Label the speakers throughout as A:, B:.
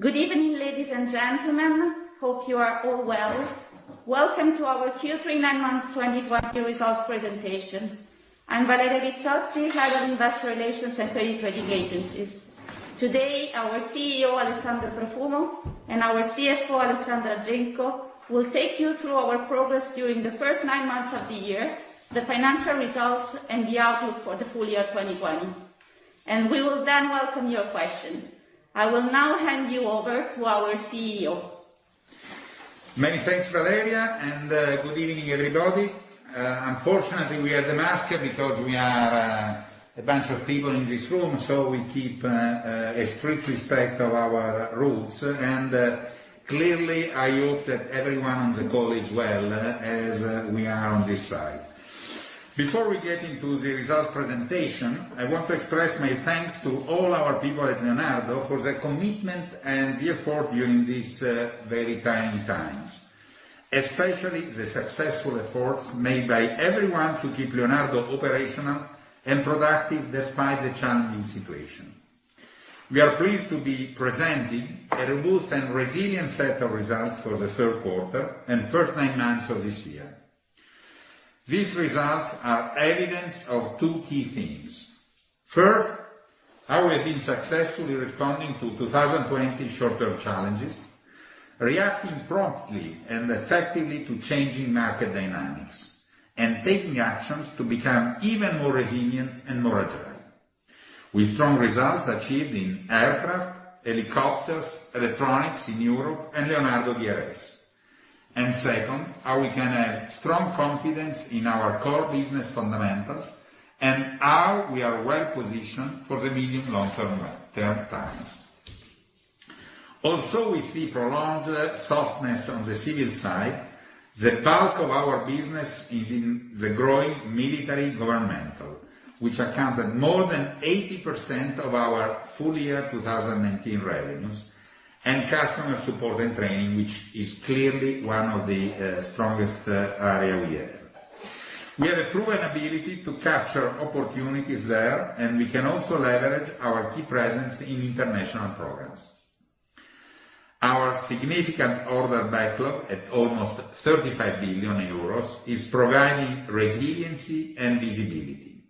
A: Good evening, ladies and gentlemen. Hope you are all well. Welcome to our Q3 nine months 2020 results presentation. I'm Valeria Ricciotti, Head of Investor Relations and Credit Rating Agencies. Today, our CEO, Alessandro Profumo, and our CFO, Alessandra Genco, will take you through our progress during the first nine months of the year, the financial results, and the outlook for the full year 2020. We will then welcome your questions. I will now hand you over to our CEO.
B: Many thanks, Valeria. Good evening, everybody. Unfortunately, we have the mask because we are a bunch of people in this room, so we keep a strict respect of our rules. Clearly, I hope that everyone on the call is well, as we are on this side. Before we get into the results presentation, I want to express my thanks to all our people at Leonardo for their commitment and the effort during these very trying times, especially the successful efforts made by everyone to keep Leonardo operational and productive despite the challenging situation. We are pleased to be presenting a robust and resilient set of results for the third quarter and first nine months of this year. These results are evidence of two key things. First, how we've been successfully responding to 2020 short-term challenges, reacting promptly and effectively to changing market dynamics and taking actions to become even more resilient and more agile. With strong results achieved in aircraft, helicopters, electronics in Europe, and Leonardo DRS. Second, how we can have strong confidence in our core business fundamentals and how we are well-positioned for the medium long-term times. Also, we see prolonged softness on the civil side. The bulk of our business is in the growing military governmental, which accounted more than 80% of our full year 2019 revenues and customer support and training, which is clearly one of the strongest area we have. We have a proven ability to capture opportunities there, and we can also leverage our key presence in international programs. Our significant order backlog at almost 35 billion euros is providing resiliency and visibility.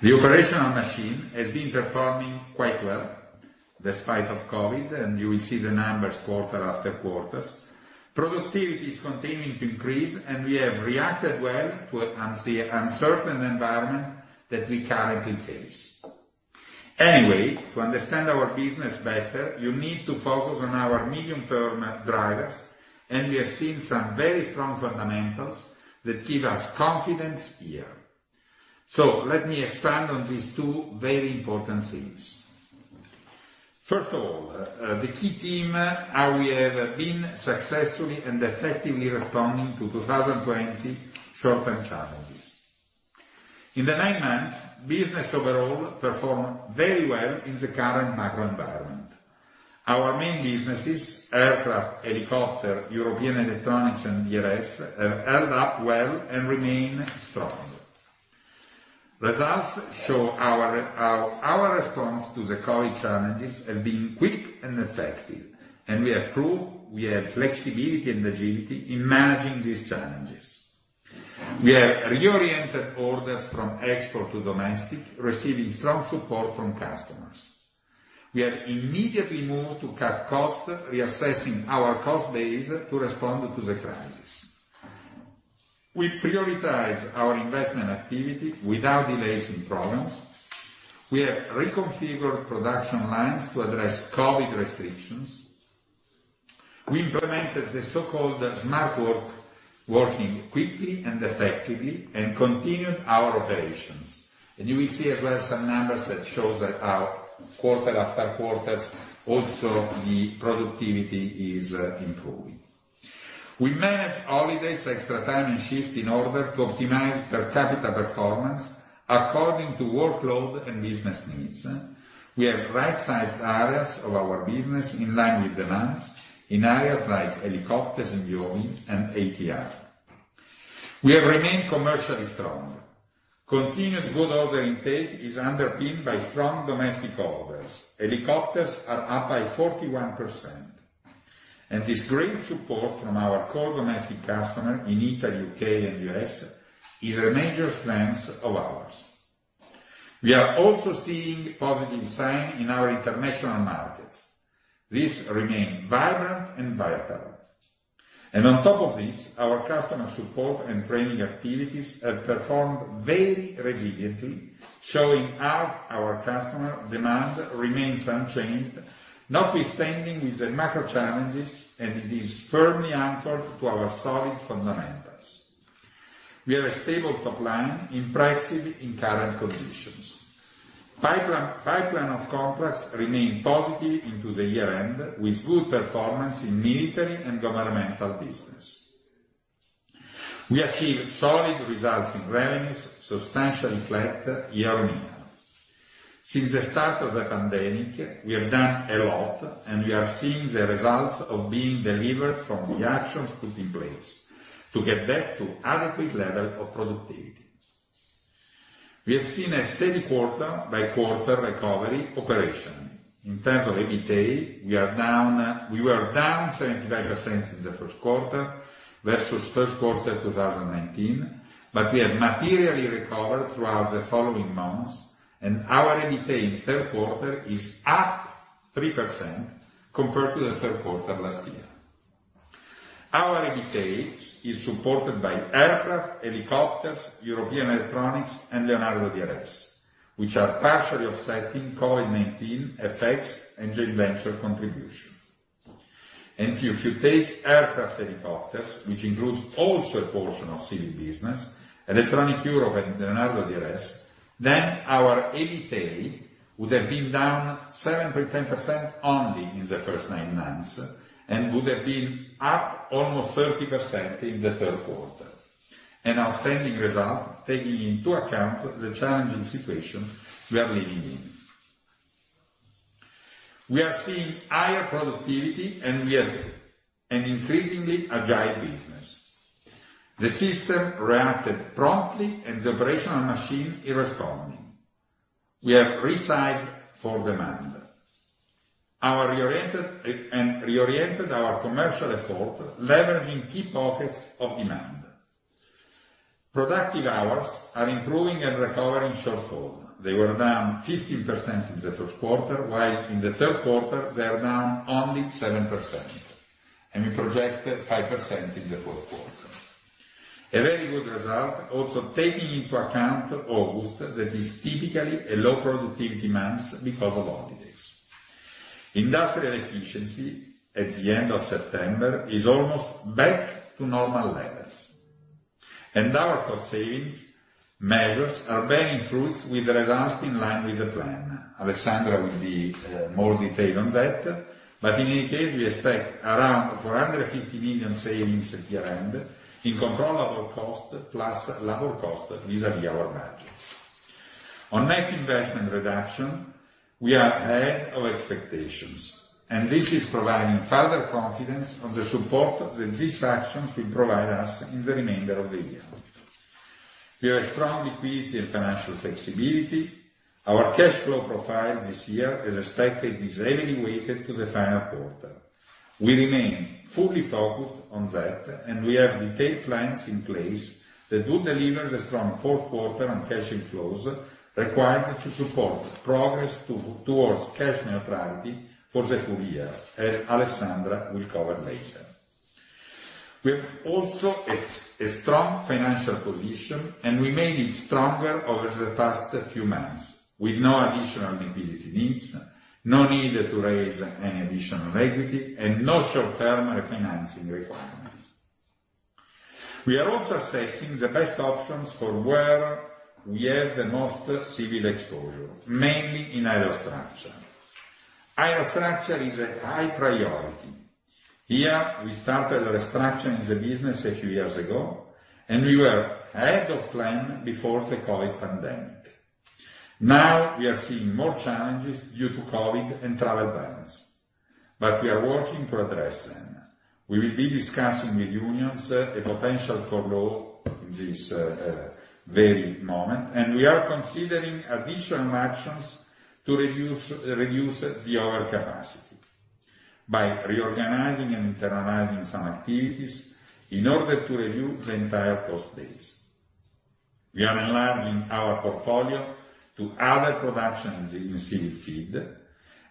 B: The operational machine has been performing quite well despite of COVID-19, and you will see the numbers quarter after quarter. Productivity is continuing to increase, and we have reacted well to an uncertain environment that we currently face. Anyway, to understand our business better, you need to focus on our medium-term drivers, and we are seeing some very strong fundamentals that give us confidence here. Let me expand on these two very important things. First of all, the key theme, how we have been successfully and effectively responding to 2020 short-term challenges. In the nine months, business overall performed very well in the current macro environment. Our main businesses, Aircraft, Helicopters, European electronics, and DRS, have held up well and remain strong. Results show our response to the COVID-19 challenges have been quick and effective, and we have proved we have flexibility and agility in managing these challenges. We have reoriented orders from export to domestic, receiving strong support from customers. We have immediately moved to cut cost, reassessing our cost base to respond to the crisis. We prioritize our investment activities without delays and problems. We have reconfigured production lines to address COVID-19 restrictions. We implemented the so-called smart work, working quickly and effectively, and continued our operations. You will see as well some numbers that show that our quarter after quarter also the productivity is improving. We manage holidays, extra time, and shifts in order to optimize per capita performance according to workload and business needs. We have right-sized areas of our business in line with demands in areas like helicopters in Yeovil and ATR. We have remained commercially strong. Continued good order intake is underpinned by strong domestic orders. Helicopters are up by 41%, and this great support from our core domestic customer in Italy, U.K., and U.S., is a major strength of ours. We are also seeing positive signs in our international markets. This remain vibrant and vital. On top of this, our customer support and training activities have performed very resiliently, showing how our customer demand remains unchanged, notwithstanding with the macro challenges, and it is firmly anchored to our solid fundamentals. We have a stable top line, impressive in current conditions. Pipeline of contracts remain positive into the year-end, with good performance in military and governmental business. We achieved solid results in revenues, substantially flat year-over-year. Since the start of the pandemic, we have done a lot, and we are seeing the results of being delivered from the actions put in place to get back to adequate level of productivity. We have seen a steady quarter-by-quarter recovery operation. In terms of EBITA, we were down 75% in the first quarter versus first quarter 2019, but we have materially recovered throughout the following months, and our EBITA in third quarter is up 3% compared to the third quarter last year. Our EBITA is supported by Aircraft, Helicopters, European Electronics, and Leonardo DRS, which are partially offsetting COVID-19 effects and joint venture contribution. If you take Aircraft, Helicopters, which includes also a portion of civil business, Electronic Europe, and Leonardo DRS, then our EBITA would have been down 7.7% only in the first nine months, and would have been up almost 30% in the third quarter, an outstanding result, taking into account the challenging situation we are living in. We are seeing higher productivity, and we have an increasingly agile business. The system reacted promptly and the operational machine is responding. We have resized for demand and reoriented our commercial effort, leveraging key pockets of demand. Productive hours are improving and recovering shortfall. They were down 15% in the first quarter, while in the third quarter, they are down only 7%, and we project 5% in the fourth quarter. A very good result, also taking into account August, that is typically a low productivity month because of holidays. Industrial efficiency at the end of September is almost back to normal levels. Our cost savings measures are bearing fruit with results in line with the plan. Alessandra will be more detailed on that. In any case, we expect around 450 million savings at year-end in controllable cost, plus labor cost vis-à-vis our margin. On net investment reduction, we are ahead of expectations. This is providing further confidence on the support that these actions will provide us in the remainder of the year. We have a strong liquidity and financial flexibility. Our cash flow profile this year, as expected, is heavily weighted to the final quarter. We remain fully focused on that. We have detailed plans in place that will deliver the strong fourth quarter on cash inflows required to support progress towards cash neutrality for the full year, as Alessandra will cover later. We have also a strong financial position, and we made it stronger over the past few months with no additional liquidity needs, no need to raise any additional equity, and no short-term refinancing requirements. We are also assessing the best options for where we have the most civil exposure, mainly in Aerostructure. Aerostructure is a high priority. Here, we started restructuring the business a few years ago, and we were ahead of plan before the COVID-19 pandemic. Now, we are seeing more challenges due to COVID-19 and travel bans, but we are working to address them. We will be discussing with unions a potential furlough in this very moment, and we are considering additional actions to reduce the overcapacity by reorganizing and internalizing some activities in order to reduce the entire cost base. We are enlarging our portfolio to other productions in civil field,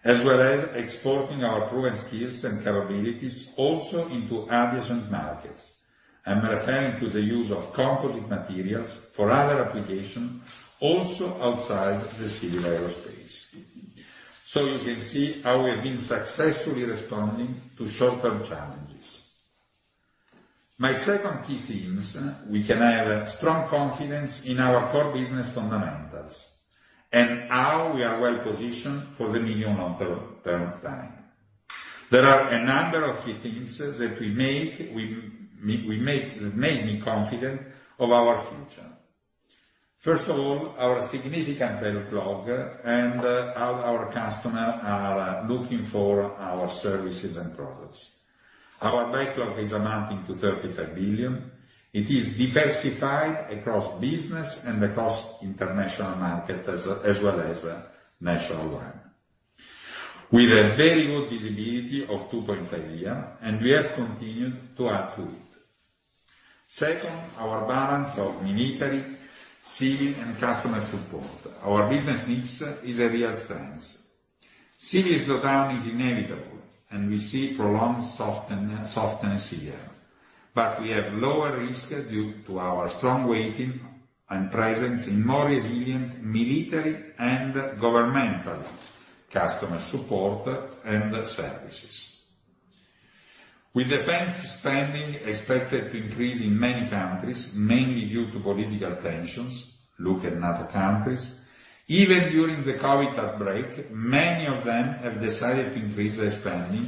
B: as well as exporting our proven skills and capabilities also into adjacent markets. I'm referring to the use of composite materials for other applications, also outside the civil aerospace. You can see how we have been successfully responding to short-term challenges. My second key theme is we can have strong confidence in our core business fundamentals and how we are well-positioned for the medium- to long-term time. There are a number of key themes that make me confident of our future. First of all, our significant backlog and how our customers are looking for our services and products. Our backlog is amounting to 35 billion. It is diversified across business and across international markets, as well as national one, with a very good visibility of 2.5 years, and we have continued to add to it. Second, our balance of military, civil, and customer support. Our business mix is a real strength. Civil slowdown is inevitable, and we see prolonged softness here, but we have lower risk due to our strong weighting and presence in more resilient military and governmental customer support and services. With defense spending expected to increase in many countries, mainly due to political tensions, look at NATO countries, even during the COVID-19 outbreak, many of them have decided to increase their spending,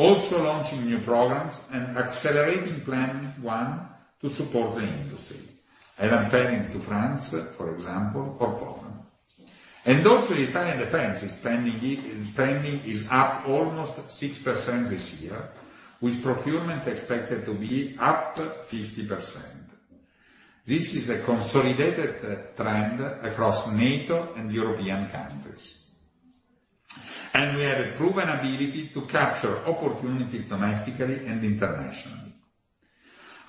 B: also launching new programs and accelerating planned one to support the industry. I'm referring to France, for example, or Canada. Also, Italian defense spending is up almost 6% this year, with procurement expected to be up 50%. This is a consolidated trend across NATO and European countries. We have a proven ability to capture opportunities domestically and internationally.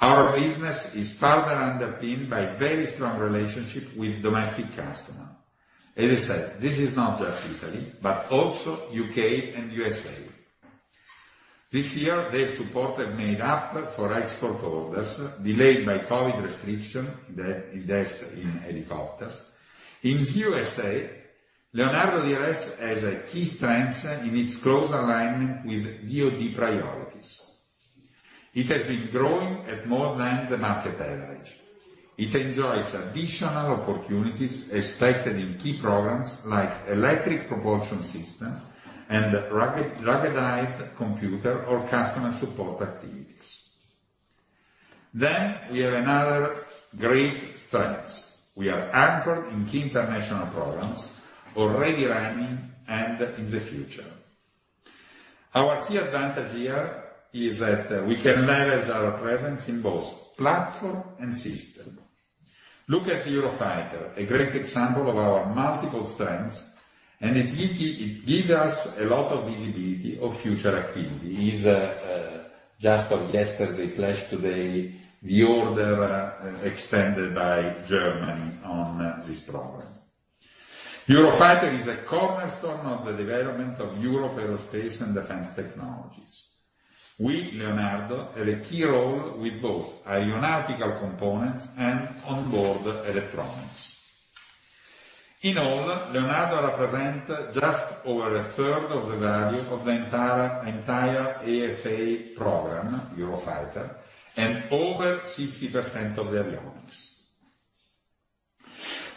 B: Our business is further underpinned by very strong relationship with domestic customer. As I said, this is not just Italy, but also U.K. and U.S.A. This year, their support made up for export orders delayed by COVID-19 restriction, that is in helicopters. In U.S.A., Leonardo DRS has a key strength in its close alignment with DoD priorities. It has been growing at more than the market average. It enjoys additional opportunities expected in key programs like electric propulsion system and ruggedized computer or customer support activities. We have another great strength. We are anchored in key international programs, already running and in the future. Our key advantage here is that we can leverage our presence in both platform and system. Look at Eurofighter, a great example of our multiple strengths, it give us a lot of visibility of future activity, is just of yesterday/today, the order extended by Germany on this program. Eurofighter is a cornerstone of the development of Europe aerospace and defense technologies. We, Leonardo, have a key role with both aeronautical components and onboard electronics. In all, Leonardo represent just over a third of the value of the entire EFA program, Eurofighter, and over 60% of avionics.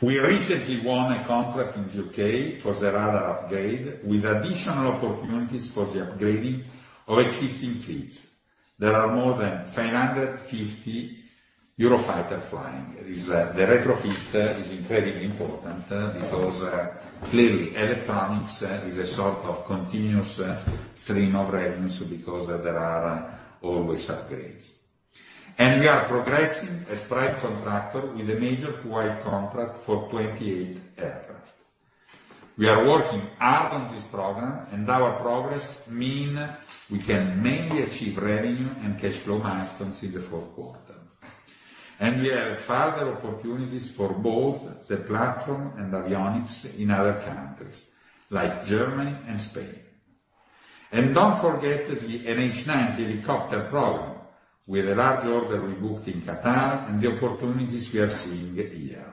B: We recently won a contract in the U.K. for the radar upgrade, with additional opportunities for the upgrading of existing fleets. There are more than 550 Eurofighter flying. The retrofit is incredibly important because, clearly, electronics is a sort of continuous stream of revenues because there are always upgrades. We are progressing as prime contractor with a major Kuwait contract for 28 aircraft. We are working hard on this program, our progress mean we can mainly achieve revenue and cash flow milestones in the fourth quarter. We have further opportunities for both the platform and avionics in other countries, like Germany and Spain. Don't forget the NH90 helicopter program, with a large order we booked in Qatar and the opportunities we are seeing here.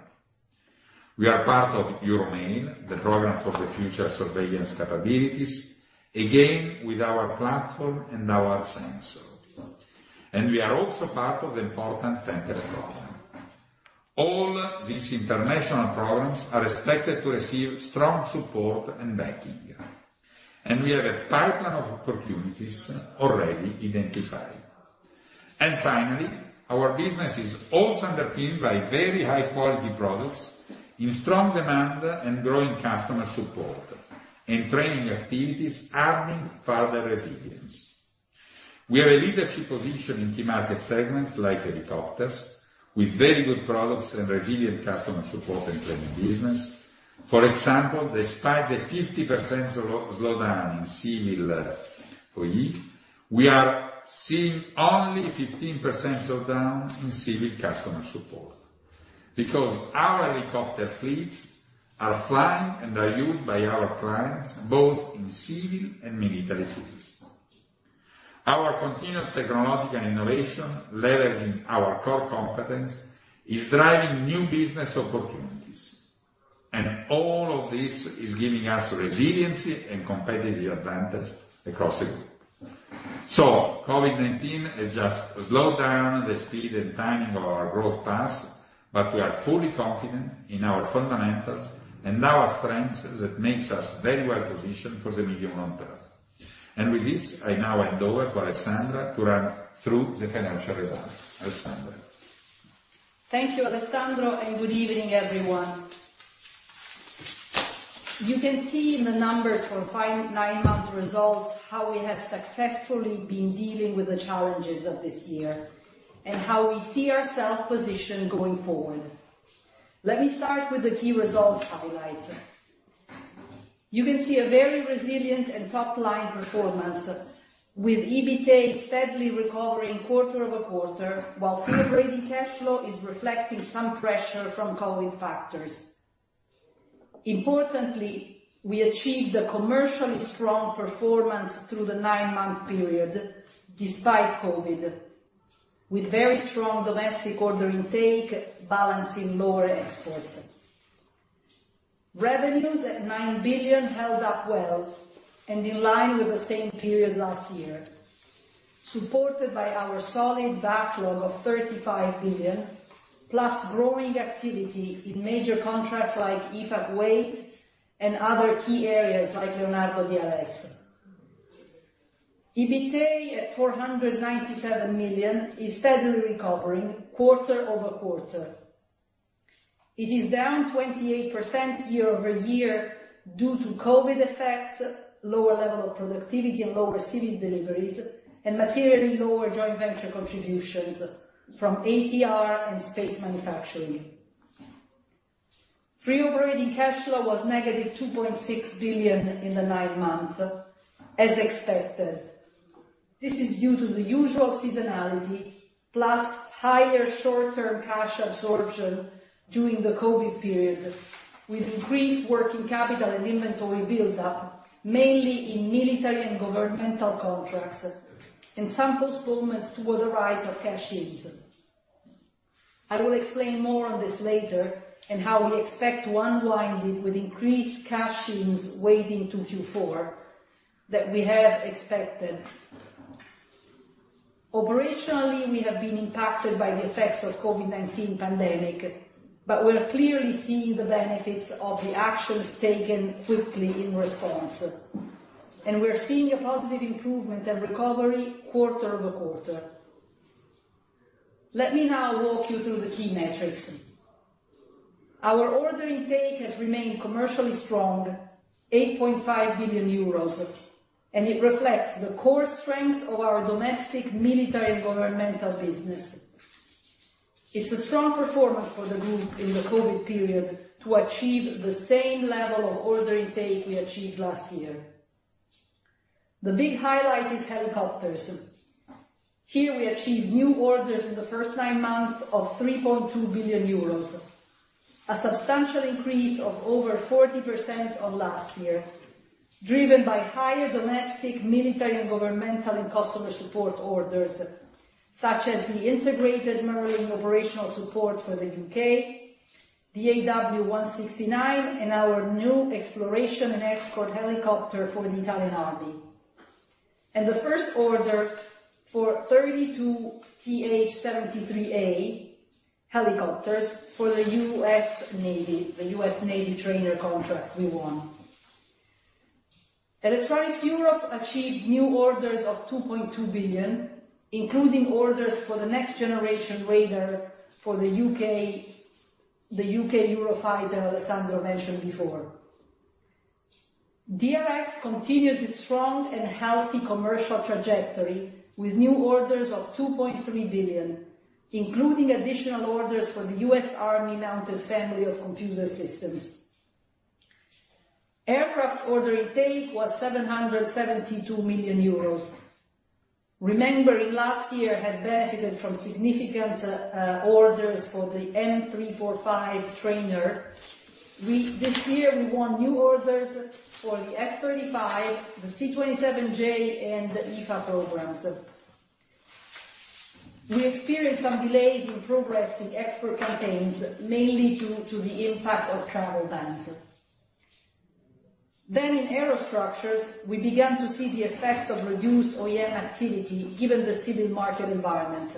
B: We are part of EuroMALE, the program for the future surveillance capabilities, again, with our platform and our sensor. We are also part of the important Tempest program. All these international programs are expected to receive strong support and backing, we have a pipeline of opportunities already identified. Finally, our business is also underpinned by very high-quality products in strong demand and growing customer support and training activities, adding further resilience. We have a leadership position in key market segments like helicopters, with very good products and resilient customer support and training business. For example, despite the 50% slowdown in civil OE, we are seeing only 15% slowdown in civil customer support because our helicopter fleets are flying and are used by our clients, both in civil and military fleets. Our continued technological innovation, leveraging our core competence, is driving new business opportunities, and all of this is giving us resiliency and competitive advantage across the group. COVID-19 has just slowed down the speed and timing of our growth path, but we are fully confident in our fundamentals and our strengths that makes us very well positioned for the medium long term. With this, I now hand over for Alessandra to run through the financial results. Alessandra?
C: Thank you, Alessandro, good evening, everyone. You can see in the numbers for nine-month results how we have successfully been dealing with the challenges of this year and how we see ourselves positioned going forward. Let me start with the key results highlights. You can see a very resilient and top line performance, with EBITA steadily recovering quarter-over-quarter, while free operating cash flow is reflecting some pressure from COVID factors. Importantly, we achieved a commercially strong performance through the nine-month period, despite COVID, with very strong domestic order intake balancing lower exports. Revenues at 9 billion held up well and in line with the same period last year, supported by our solid backlog of 35 billion, plus growing activity in major contracts like EFA Kuwait and other key areas like Leonardo DRS. EBITA at 497 million is steadily recovering quarter-over-quarter. It is down 28% year-over-year due to COVID effects, lower level of productivity and lower civil deliveries, and materially lower joint venture contributions from ATR and Space Manufacturing. Free operating cash flow was -2.6 billion in the nine months, as expected. This is due to the usual seasonality, plus higher short-term cash absorption during the COVID period, with increased working capital and inventory build-up, mainly in military and governmental contracts, and some postponements toward the rise of cash-ins. I will explain more on this later and how we expect to unwind it with increased cash-ins waving to Q4 that we have expected. Operationally, we have been impacted by the effects of COVID-19 pandemic, but we're clearly seeing the benefits of the actions taken quickly in response, and we're seeing a positive improvement and recovery quarter-over-quarter. Let me now walk you through the key metrics. Our order intake has remained commercially strong, 8.5 billion euros, and it reflects the core strength of our domestic military governmental business. It's a strong performance for the group in the COVID period to achieve the same level of order intake we achieved last year. The big highlight is helicopters. Here we achieved new orders in the first nine months of 3.2 billion euros, a substantial increase of over 40% on last year, driven by higher domestic military and governmental and customer support orders, such as the Integrated Merlin Operational Support for the U.K., the AW169, and our new exploration and escort helicopter for the Italian Army. The first order for 32 TH-73A helicopters for the U.S. Navy, the U.S. Navy trainer contract we won. Electronics Europe achieved new orders of 2.2 billion, including orders for the next generation radar for the U.K. Eurofighter Alessandro mentioned before. DRS continued its strong and healthy commercial trajectory with new orders of $2.3 billion, including additional orders for the U.S. Army Mounted Family of Computer Systems. Aircraft's order intake was 772 million euros. Remembering last year had benefited from significant orders for the M-345 trainer, this year we won new orders for the F-35, the C-27J and the EFA programs. We experienced some delays in progress in export campaigns, mainly due to the impact of travel bans. In Aerostructures, we began to see the effects of reduced OEM activity, given the civil market environment.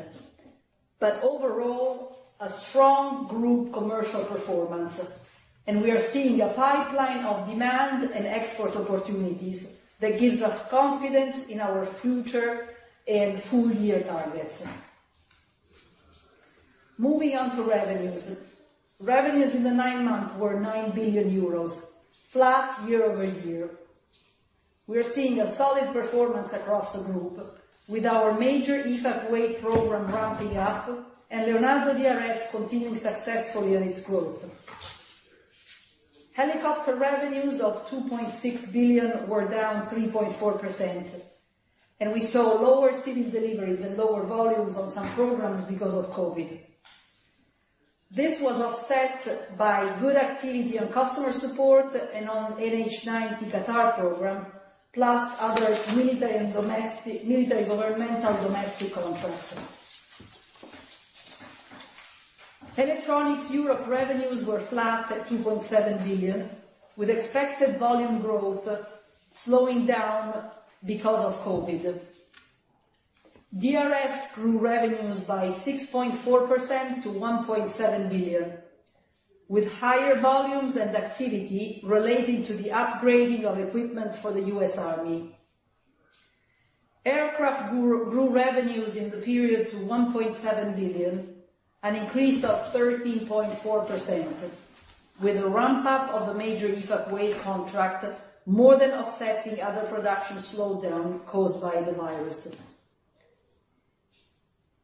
C: Overall, a strong group commercial performance, and we are seeing a pipeline of demand and export opportunities that gives us confidence in our future and full-year targets. Moving on to revenues. Revenues in the nine months were 9 billion euros, flat year-over-year. We're seeing a solid performance across the group with our major EFA Kuwait program ramping up and Leonardo DRS continuing successfully on its growth. Helicopter revenues of 2.6 billion were down 3.4%, and we saw lower civil deliveries and lower volumes on some programs because of COVID-19. This was offset by good activity on customer support and on NH90 Qatar program, plus other military governmental domestic contracts. Electronics Europe revenues were flat at 2.7 billion, with expected volume growth slowing down because of COVID. DRS grew revenues by 6.4% to 1.7 billion, with higher volumes and activity relating to the upgrading of equipment for the U.S. Army. Aircraft grew revenues in the period to 1.7 billion, an increase of 13.4%, with a ramp-up of the major EFA Kuwait contract more than offsetting other production slowdown caused by the virus.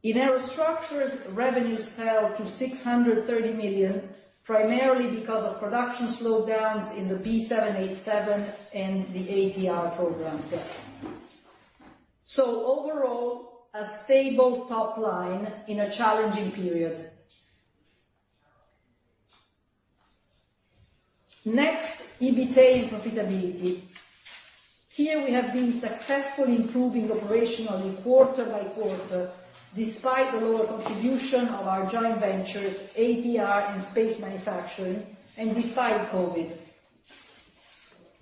C: In Aerostructures, revenues fell to 630 million, primarily because of production slowdowns in the B787 and the ATR programs. Overall, a stable top line in a challenging period. Next, EBITA and profitability. Here we have been successfully improving operationally quarter by quarter, despite the lower contribution of our joint ventures, ATR and Space Manufacturing, and despite COVID.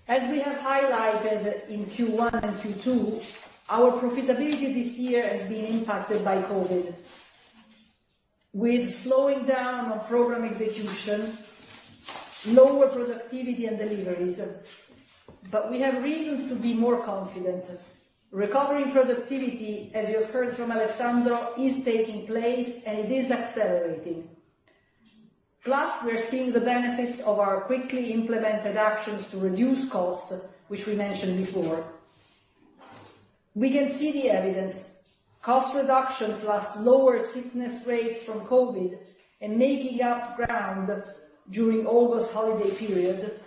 C: As we have highlighted in Q1 and Q2, our profitability this year has been impacted by COVID. With slowing down on program execution, lower productivity and deliveries. We have reasons to be more confident. Recovering productivity, as you have heard from Alessandro, is taking place, and it is accelerating. Plus, we're seeing the benefits of our quickly implemented actions to reduce costs, which we mentioned before. We can see the evidence. Cost reduction, plus lower sickness rates from COVID, and making up ground during August holiday period,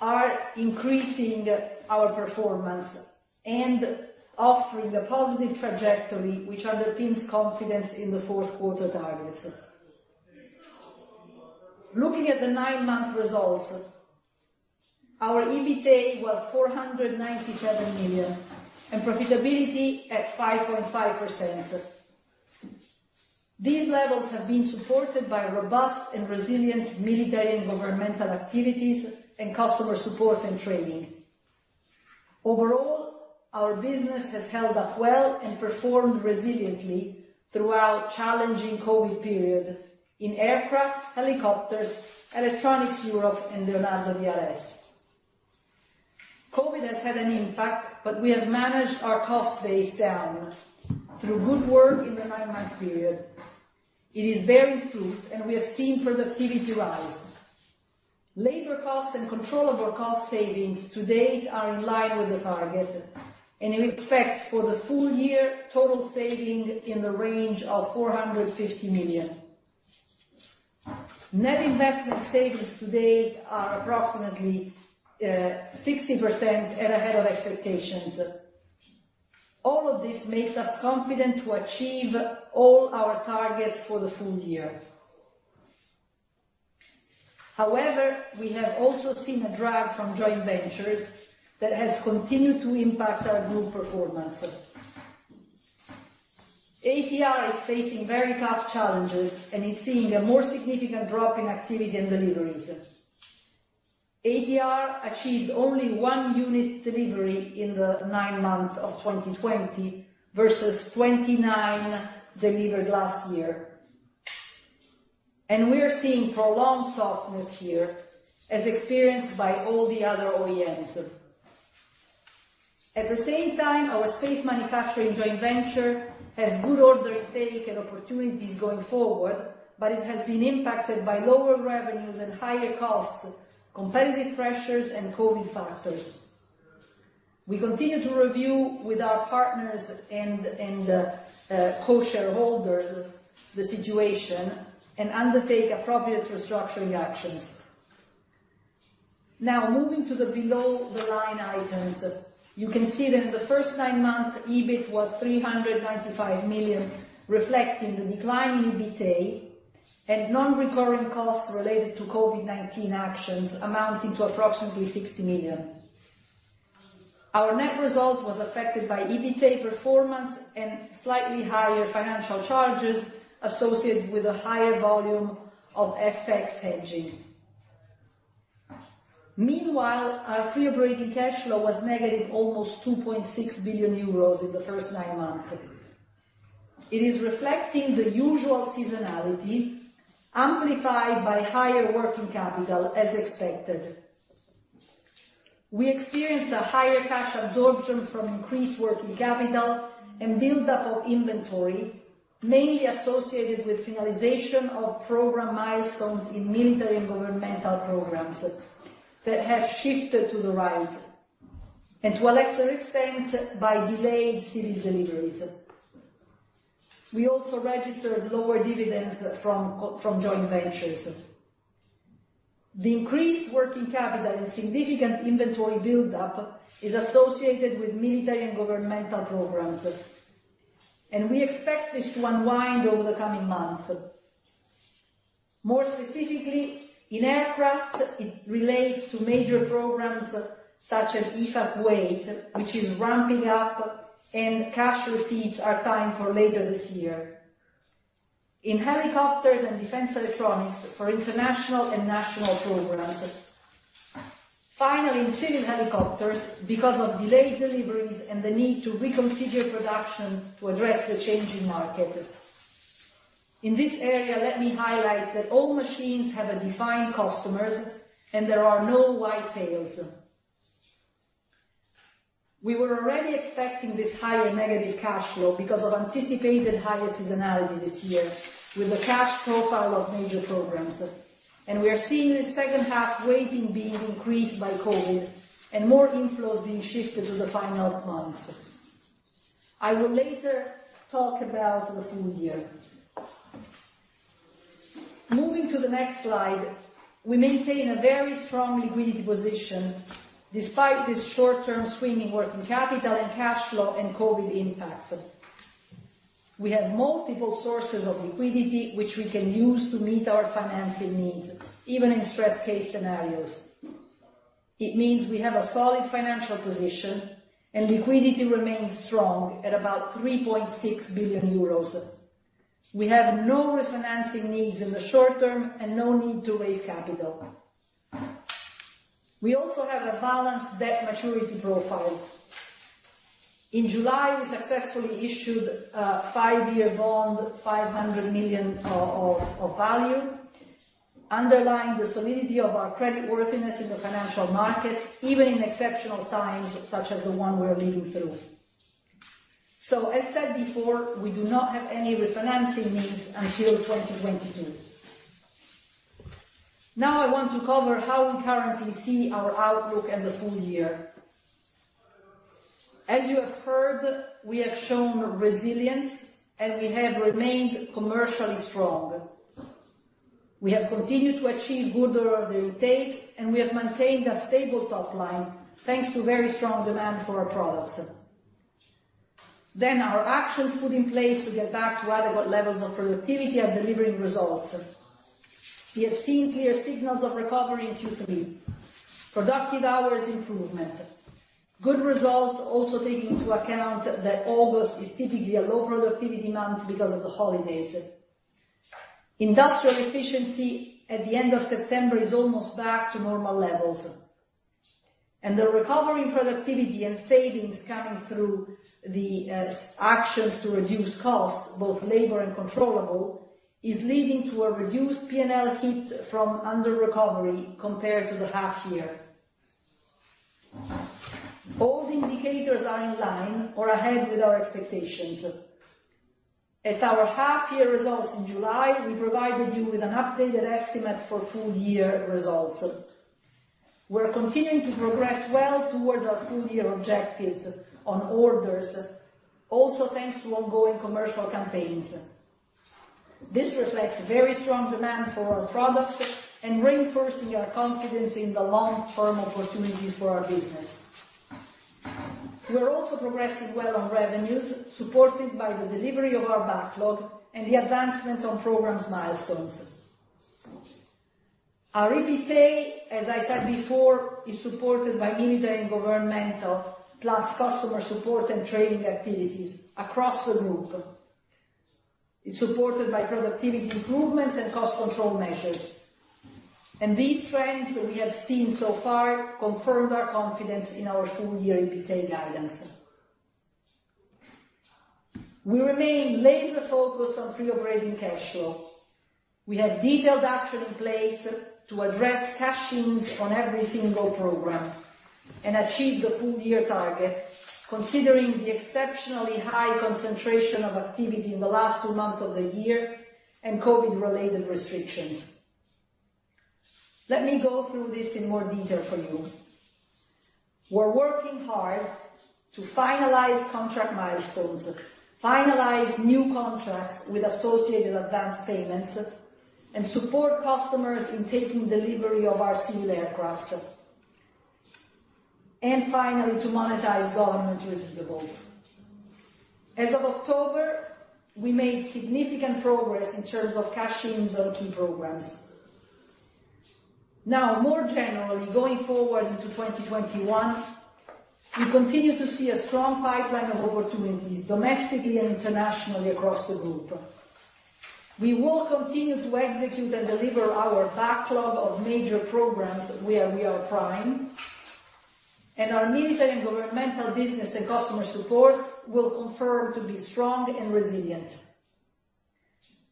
C: are increasing our performance and offering a positive trajectory which underpins confidence in the fourth quarter targets. Looking at the nine-month results, our EBITA was 497 million, and profitability at 5.5%. These levels have been supported by robust and resilient military and governmental activities, and customer support and training. Overall, our business has held up well and performed resiliently throughout challenging COVID period in Aircraft, Helicopters, Electronics Europe, and Leonardo DRS. COVID has had an impact, but we have managed our cost base down through good work in the nine-month period. It is bearing fruit, and we have seen productivity rise. Labor costs and controllable cost savings to date are in line with the target, and we expect for the full year total saving in the range of 450 million. Net investment savings to date are approximately 16% and ahead of expectations. All of this makes us confident to achieve all our targets for the full year. However, we have also seen a drag from joint ventures that has continued to impact our group performance. ATR is facing very tough challenges and is seeing a more significant drop in activity and deliveries. ATR achieved only one unit delivery in the nine month of 2020 versus 29 delivered last year. We are seeing prolonged softness here as experienced by all the other OEMs. At the same time, our space manufacturing joint venture has good order take and opportunities going forward, but it has been impacted by lower revenues and higher costs, competitive pressures, and COVID factors. We continue to review with our partners and co-shareholder the situation and undertake appropriate restructuring actions. Moving to the below the line items. You can see that in the first nine month, EBIT was 395 million, reflecting the decline in EBITA and non-recurring costs related to COVID-19 actions amounting to approximately 60 million. Our net result was affected by EBITA performance and slightly higher financial charges associated with a higher volume of FX hedging. Meanwhile, our free operating cash flow was negative almost 2.6 billion euros in the first nine months. It is reflecting the usual seasonality amplified by higher working capital, as expected. We experienced a higher cash absorption from increased working capital and buildup of inventory, mainly associated with finalization of program milestones in military and governmental programs that have shifted to the right, and to a lesser extent, by delayed civil deliveries. We also registered lower dividends from joint ventures. The increased working capital and significant inventory buildup is associated with military and governmental programs, and we expect this to unwind over the coming month. More specifically, in Aircraft, it relates to major programs such as EFA Kuwait, which is ramping up and cash receipts are timed for later this year. In Helicopters and Defense Electronics for international and national programs. Finally, in Civil Helicopters, because of delayed deliveries and the need to reconfigure production to address the changing market. In this area, let me highlight that all machines have a defined customers and there are no white tails. We were already expecting this higher negative cash flow because of anticipated higher seasonality this year with the cash profile of major programs, and we are seeing this second half weighting being increased by COVID and more inflows being shifted to the final months. I will later talk about the full year. Moving to the next slide. We maintain a very strong liquidity position despite this short-term swing in working capital and cash flow and COVID impacts. We have multiple sources of liquidity which we can use to meet our financing needs, even in stress case scenarios. It means we have a solid financial position and liquidity remains strong at about 3.6 billion euros. We have no refinancing needs in the short term and no need to raise capital. We also have a balanced debt maturity profile. In July, we successfully issued a five-year bond, 500 million of value, underlying the solidity of our credit worthiness in the financial markets, even in exceptional times such as the one we're living through. As said before, we do not have any refinancing needs until 2022. Now I want to cover how we currently see our outlook and the full year. As you have heard, we have shown resilience, and we have remained commercially strong. We have continued to achieve good order intake, and we have maintained a stable top line thanks to very strong demand for our products. Our actions put in place to get back to adequate levels of productivity are delivering results. We have seen clear signals of recovery in Q3. Productive hours improvement. Good result also taking into account that August is typically a low productivity month because of the holidays. Industrial efficiency at the end of September is almost back to normal levels. The recovery in productivity and savings coming through the actions to reduce costs, both labor and controllable, is leading to a reduced P&L hit from under-recovery compared to the half year. All indicators are in line or ahead with our expectations. At our half year results in July, we provided you with an updated estimate for full year results. We're continuing to progress well towards our full year objectives on orders, also thanks to ongoing commercial campaigns. This reflects very strong demand for our products and reinforcing our confidence in the long-term opportunities for our business. We are also progressing well on revenues, supported by the delivery of our backlog and the advancement on programs milestones. Our EBITA, as I said before, is supported by military and governmental, plus customer support and training activities across the group. It's supported by productivity improvements and cost control measures. These trends that we have seen so far confirmed our confidence in our full-year EBITA guidance. We remain laser-focused on free operating cash flow. We have detailed action in place to address cash-ins on every single program and achieve the full-year target, considering the exceptionally high concentration of activity in the last two months of the year and COVID-related restrictions. Let me go through this in more detail for you. We are working hard to finalize contract milestones, finalize new contracts with associated advance payments, and support customers in taking delivery of our civil aircraft. Finally, to monetize government receivables. As of October, we made significant progress in terms of cash-ins on key programs. More generally, going forward into 2021, we continue to see a strong pipeline of opportunities domestically and internationally across the group. We will continue to execute and deliver our backlog of major programs where we are prime, and our military and governmental business and customer support will confirm to be strong and resilient.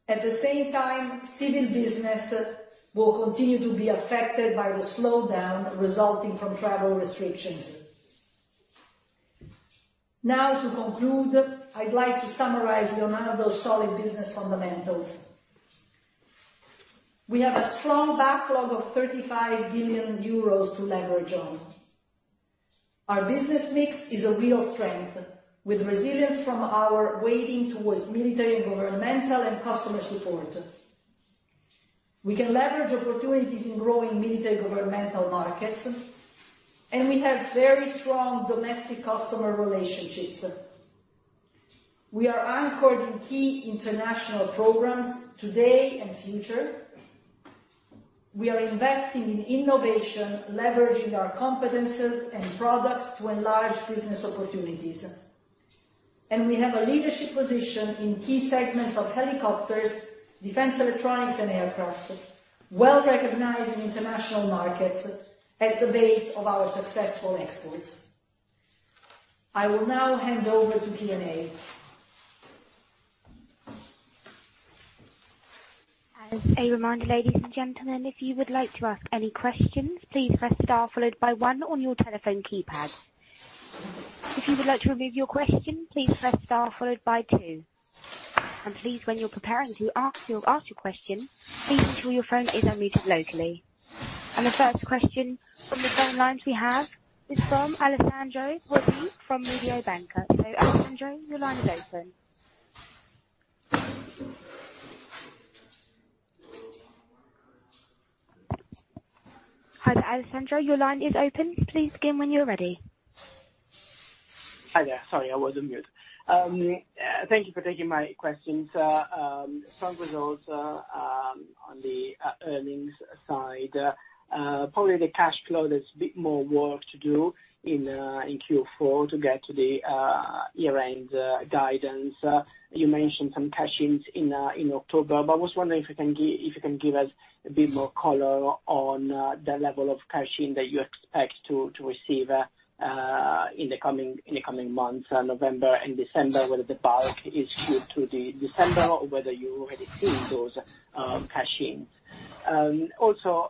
C: At the same time, civil business will continue to be affected by the slowdown resulting from travel restrictions. To conclude, I'd like to summarize Leonardo's solid business fundamentals. We have a strong backlog of 35 billion euros to leverage on. Our business mix is a real strength with resilience from our weighting towards military and governmental and customer support. We can leverage opportunities in growing military governmental markets, and we have very strong domestic customer relationships. We are anchored in key international programs today and future. We are investing in innovation, leveraging our competencies and products to enlarge business opportunities. We have a leadership position in key segments of helicopters, defense electronics, and aircraft, well-recognized in international markets at the base of our successful exports. I will now hand over to Q&A.
D: As a reminder, ladies and gentlemen, if you would like to ask any questions, please press star followed by one on your telephone keypad. If you would like to remove your question, please press star followed by two. Please, when you're preparing to ask your question, please ensure your phone is unmuted locally. The first question from the phone lines we have is from Alessandro Pozzi from Mediobanca. Alessandro, your line is open. Hi there, Alessandro. Your line is open. Please begin when you're ready.
E: Hi there. Sorry, I was on mute. Thank you for taking my questions. Strong results on the earnings side. Probably the cash flow, there's a bit more work to do in Q4 to get to the year-end guidance. You mentioned some cash-ins in October. I was wondering if you can give us a bit more color on the level of cash-in that you expect to receive in the coming months, November and December, whether the bulk is skewed to December or whether you're already seeing those cash-ins.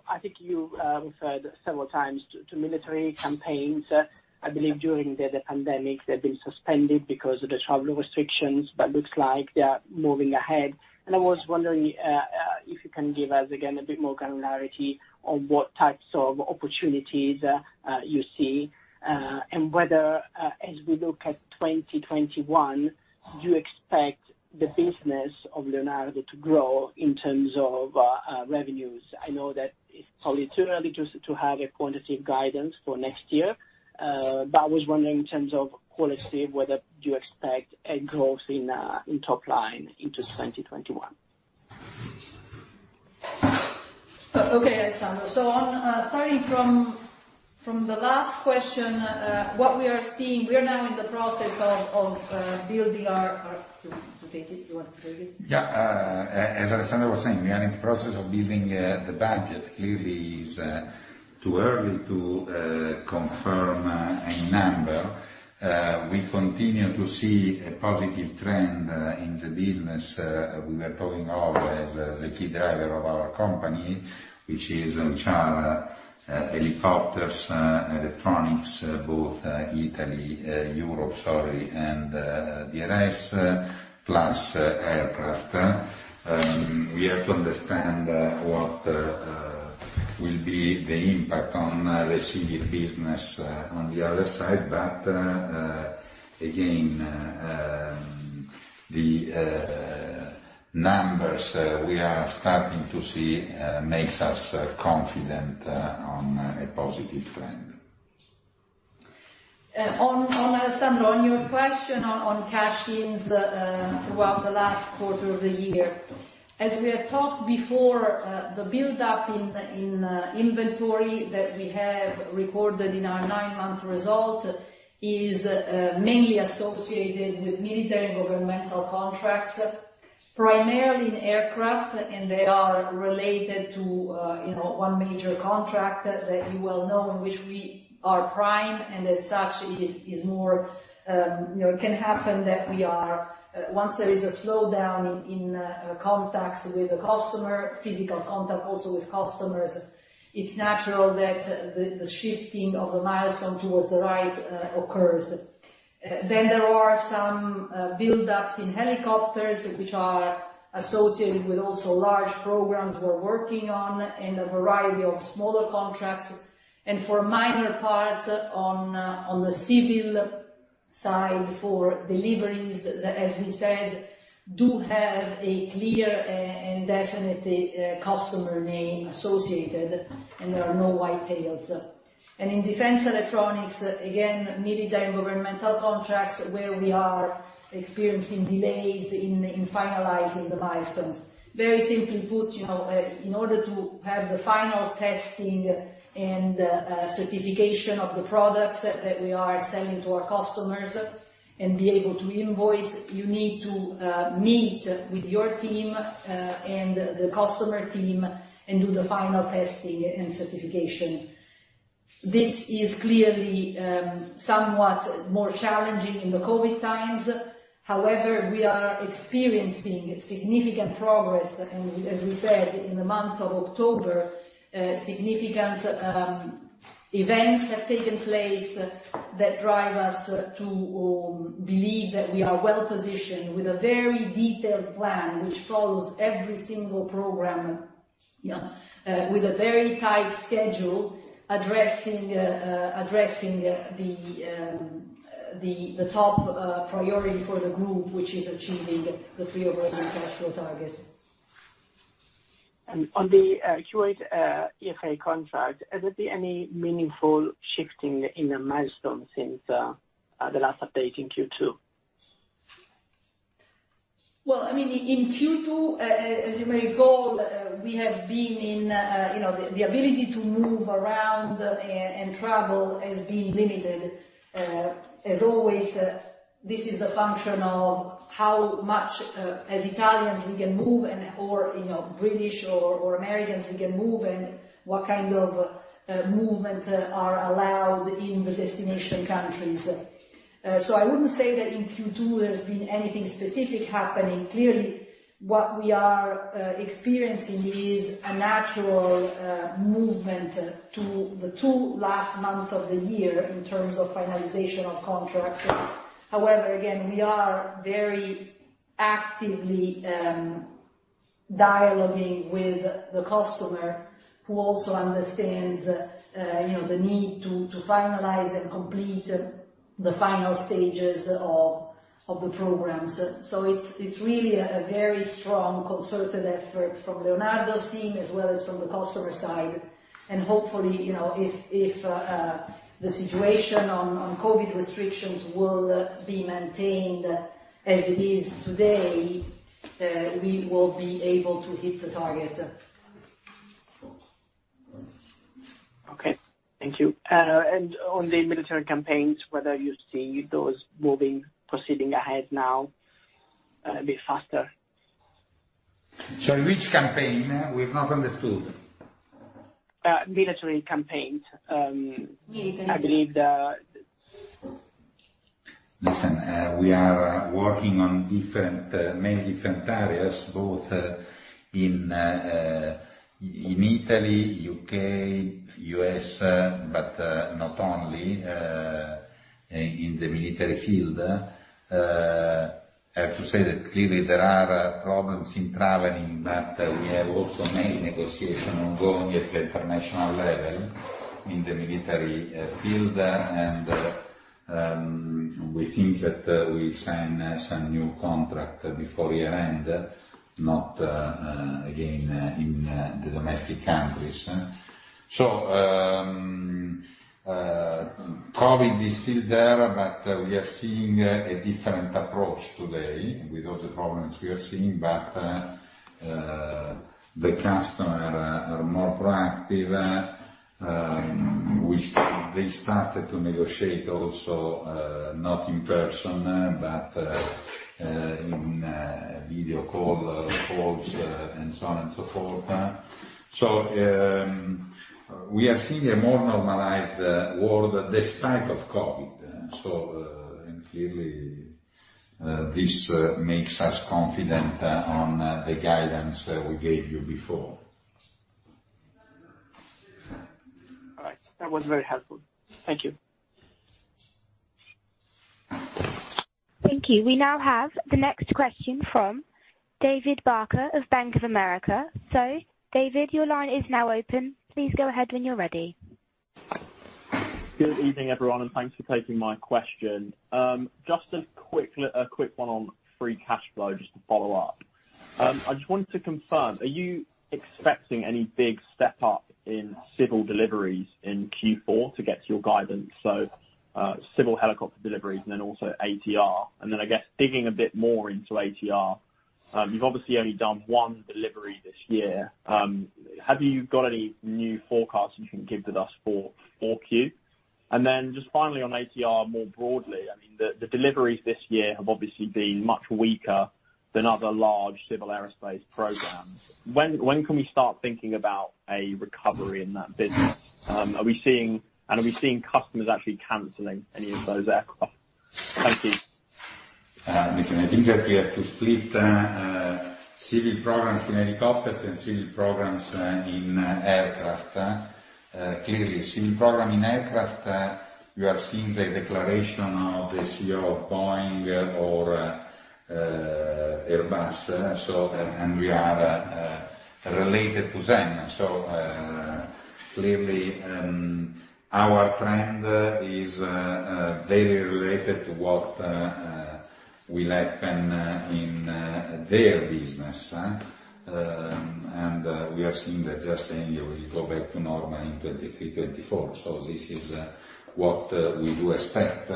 E: I think I referred several times to military campaigns. I believe during the pandemic, they've been suspended because of the travel restrictions. Looks like they are moving ahead. I was wondering if you can give us, again, a bit more granularity on what types of opportunities you see, and whether, as we look at 2021, do you expect the business of Leonardo to grow in terms of revenues? I know that it's probably too early to have a quantitative guidance for next year, but I was wondering in terms of qualitative, whether you expect a growth in top line into 2021.
C: Okay, Alessandro. Starting from the last question, what we are seeing, we are now in the process of building our. Do you want to take it?
B: Yeah. As Alessandro was saying, we are in the process of building the budget. Clearly, it is too early to confirm a number. We continue to see a positive trend in the business. We were talking of as the key driver of our company, which are helicopters, electronics, both Italy, Europe, sorry, and DRS, plus aircraft. We have to understand what will be the impact on the civil business on the other side. Again, the numbers we are starting to see makes us confident on a positive trend.
C: Alessandro, on your question on cash-ins throughout the last quarter of the year, as we have talked before, the buildup in inventory that we have recorded in our nine-month result is mainly associated with military and governmental contracts, primarily in aircraft. They are related to one major contract that you well know, in which we are prime, and as such, it can happen that once there is a slowdown in contacts with the customer, physical contact also with customers, it's natural that the shifting of the milestone towards the right occurs. There are some buildups in helicopters, which are associated with also large programs we're working on and a variety of smaller contracts. For a minor part, on the civil side for deliveries, as we said, do have a clear and definite customer name associated, and there are no white tails. In defense electronics, again, military and governmental contracts where we are experiencing delays in finalizing the milestones. Very simply put, in order to have the final testing and certification of the products that we are selling to our customers and be able to invoice, you need to meet with your team and the customer team and do the final testing and certification. This is clearly somewhat more challenging in the COVID times. However, we are experiencing significant progress, and as we said, in the month of October, significant events have taken place that drive us to believe that we are well-positioned with a very detailed plan, which follows every single program with a very tight schedule, addressing the top priority for the group, which is achieving the free operating cash flow target.
E: On the Kuwait EFA contract, has there been any meaningful shifting in the milestone since the last update in Q2?
C: Well, in Q2, as you may recall, the ability to move around and travel has been limited. As always, this is a function of how much, as Italians we can move or British or Americans we can move, and what kind of movement are allowed in the destination countries. I wouldn't say that in Q2, there's been anything specific happening. Clearly, what we are experiencing is a natural movement to the two last month of the year in terms of finalization of contracts. However, again, we are very actively dialoguing with the customer who also understands the need to finalize and complete the final stages of the programs. It's really a very strong concerted effort from Leonardo's team, as well as from the customer side. Hopefully, if the situation on COVID restrictions will be maintained as it is today, we will be able to hit the target.
E: Okay. Thank you. On the military campaigns, whether you see those proceeding ahead now a bit faster?
B: Sorry, which campaign? We've not understood.
E: Military campaigns.
B: Listen, we are working on many different areas, both in Italy, U.K., U.S., but not only in the military field. I have to say that clearly there are problems in traveling, but we have also many negotiation ongoing at the international level in the military field. We think that we sign some new contract before year-end, not, again, in the domestic countries. COVID is still there, but we are seeing a different approach today with all the problems we are seeing, but, the customer are more proactive. They started to negotiate also, not in person, but in video call, and so on and so forth. We are seeing a more normalized world despite of COVID. Clearly, this makes us confident on the guidance we gave you before.
E: All right. That was very helpful. Thank you.
D: Thank you. We now have the next question from David Barker of Bank of America. David, your line is now open. Please go ahead when you're ready.
F: Good evening, everyone, and thanks for taking my question. Just a quick one on free cash flow, just to follow up. I just wanted to confirm, are you expecting any big step up in civil deliveries in Q4 to get to your guidance? Civil helicopter deliveries and then also ATR. Then, I guess digging a bit more into ATR, you've obviously only done one delivery this year. Have you got any new forecasts you can give to us for 4Q? Then just finally on ATR, more broadly, the deliveries this year have obviously been much weaker than other large civil aerospace programs. When can we start thinking about a recovery in that business? Are we seeing customers actually canceling any of those aircraft? Thank you.
B: Listen, I think that we have to split civil programs in helicopters and civil programs in aircraft. Clearly, civil program in aircraft, you have seen the declaration of the CEO of Boeing or Airbus. We are related to them. Clearly, our trend is very related to what will happen in their business. We are seeing that they're saying it will go back to normal in 2023, 2024. This is what we do expect.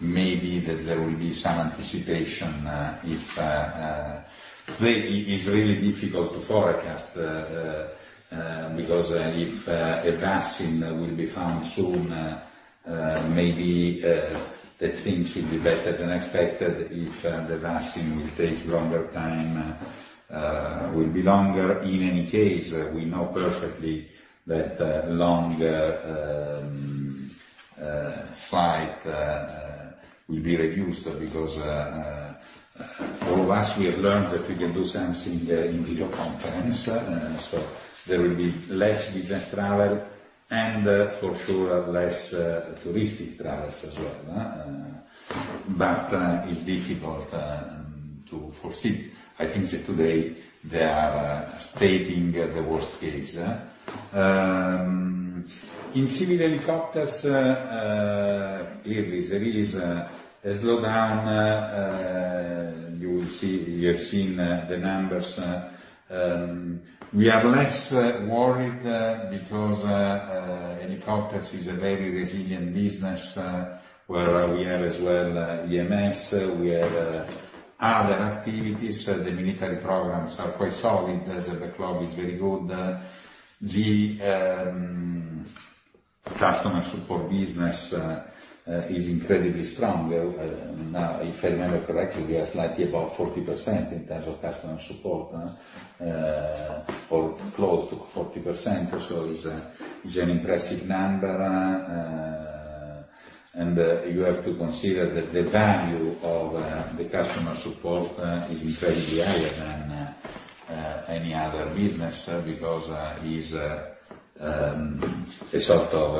B: Maybe that there will be some anticipation, it's really difficult to forecast because if a vaccine will be found soon, maybe the things will be better than expected. If the vaccine will take longer time, will be longer. In any case, we know perfectly that longer flight will be reduced because all of us, we have learned that we can do something in video conference. There will be less business travel, and for sure, less touristic travels as well. It's difficult to foresee. I think that today they are stating the worst case. In civil helicopters, clearly there is a slowdown. You have seen the numbers. We are less worried because, helicopters is a very resilient business, where we have as well, EMS, we have other activities. The military programs are quite solid. The backlog is very good. The customer support business is incredibly strong. Now, if I remember correctly, we are slightly above 40% in terms of customer support. Or close to 40%. Is an impressive number, and you have to consider that the value of the customer support is incredibly higher than any other business because, it's a sort of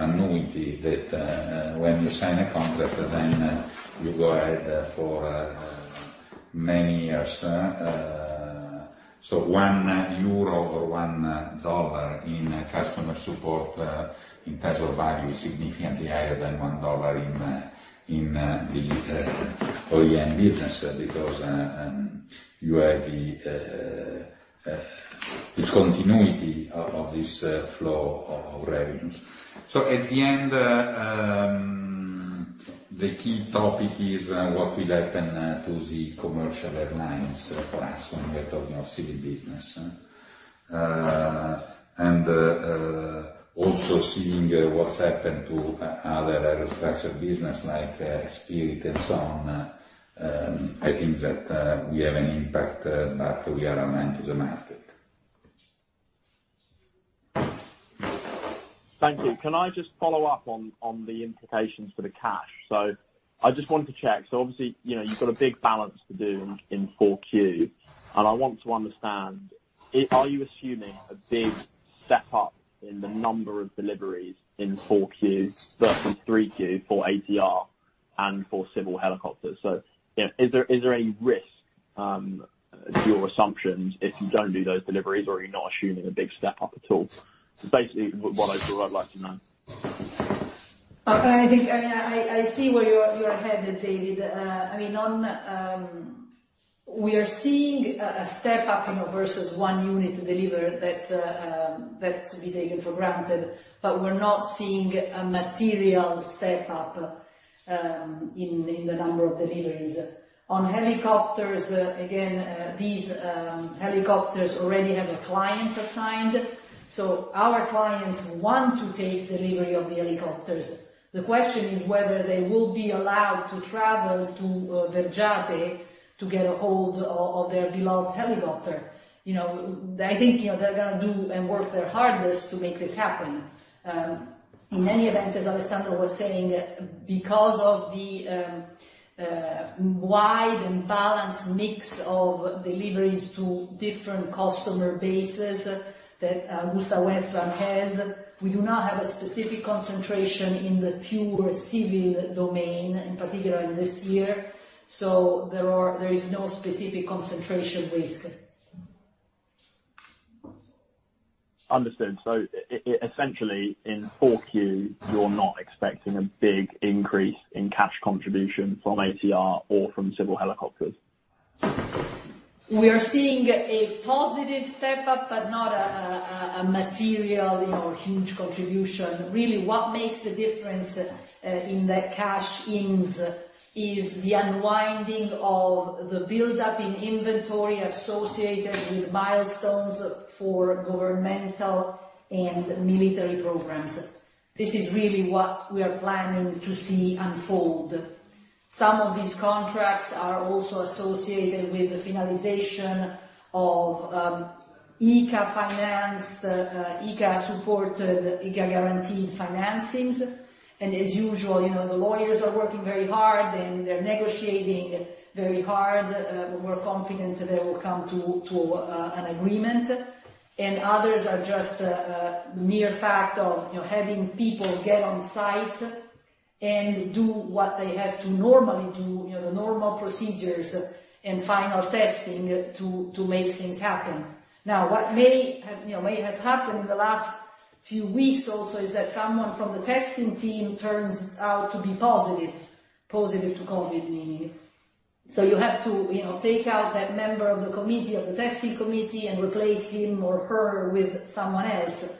B: annuity, that, when you sign a contract, then you go ahead for many years. 1 euro or $1 in customer support, in terms of value, is significantly higher than $1 in the OEM business because you have the continuity of this flow of revenues. At the end, the key topic is what will happen to the commercial airlines for us when we are talking of civil business. Also seeing what's happened to other aerostructure business like Spirit and so on, I think that we have an impact, but we are amenable to the market.
F: Thank you. Can I just follow up on the implications for the cash? I just wanted to check. Obviously, you've got a big balance to do in 4Q, and I want to understand, are you assuming a big step up in the number of deliveries in 4Q versus 3Q for ATR and for civil helicopters? Is there a risk to your assumptions if you don't do those deliveries or are you not assuming a big step up at all? Basically, what I'd like to know.
C: I see where you're headed, David. We are seeing a step up versus one unit delivered, that's to be taken for granted. We're not seeing a material step up in the number of deliveries. On helicopters, again, these helicopters already have a client assigned. Our clients want to take delivery of the helicopters. The question is whether they will be allowed to travel to Vergiate to get a hold of their beloved helicopter. I think they're going to do and work their hardest to make this happen. In any event, as Alessandro was saying, because of the wide and balanced mix of deliveries to different customer bases that AgustaWestland has, we do not have a specific concentration in the pure civil domain, in particular in this year. There is no specific concentration risk.
F: Understood. Essentially, in 4Q, you're not expecting a big increase in cash contributions from ATR or from civil helicopters.
C: We are seeing a positive step up, but not a material or huge contribution. Really, what makes the difference in the cash-ins is the unwinding of the buildup in inventory associated with milestones for governmental and military programs. This is really what we are planning to see unfold. Some of these contracts are also associated with the finalization of ECA finance, ECA supported, ECA guaranteed financings. As usual, the lawyers are working very hard and they're negotiating very hard. We're confident they will come to an agreement. Others are just a mere fact of having people get on site and do what they have to normally do, the normal procedures and final testing to make things happen. Now, what may have happened in the last few weeks also is that someone from the testing team turns out to be positive to COVID. You have to take out that member of the committee, of the testing committee, and replace him or her with someone else.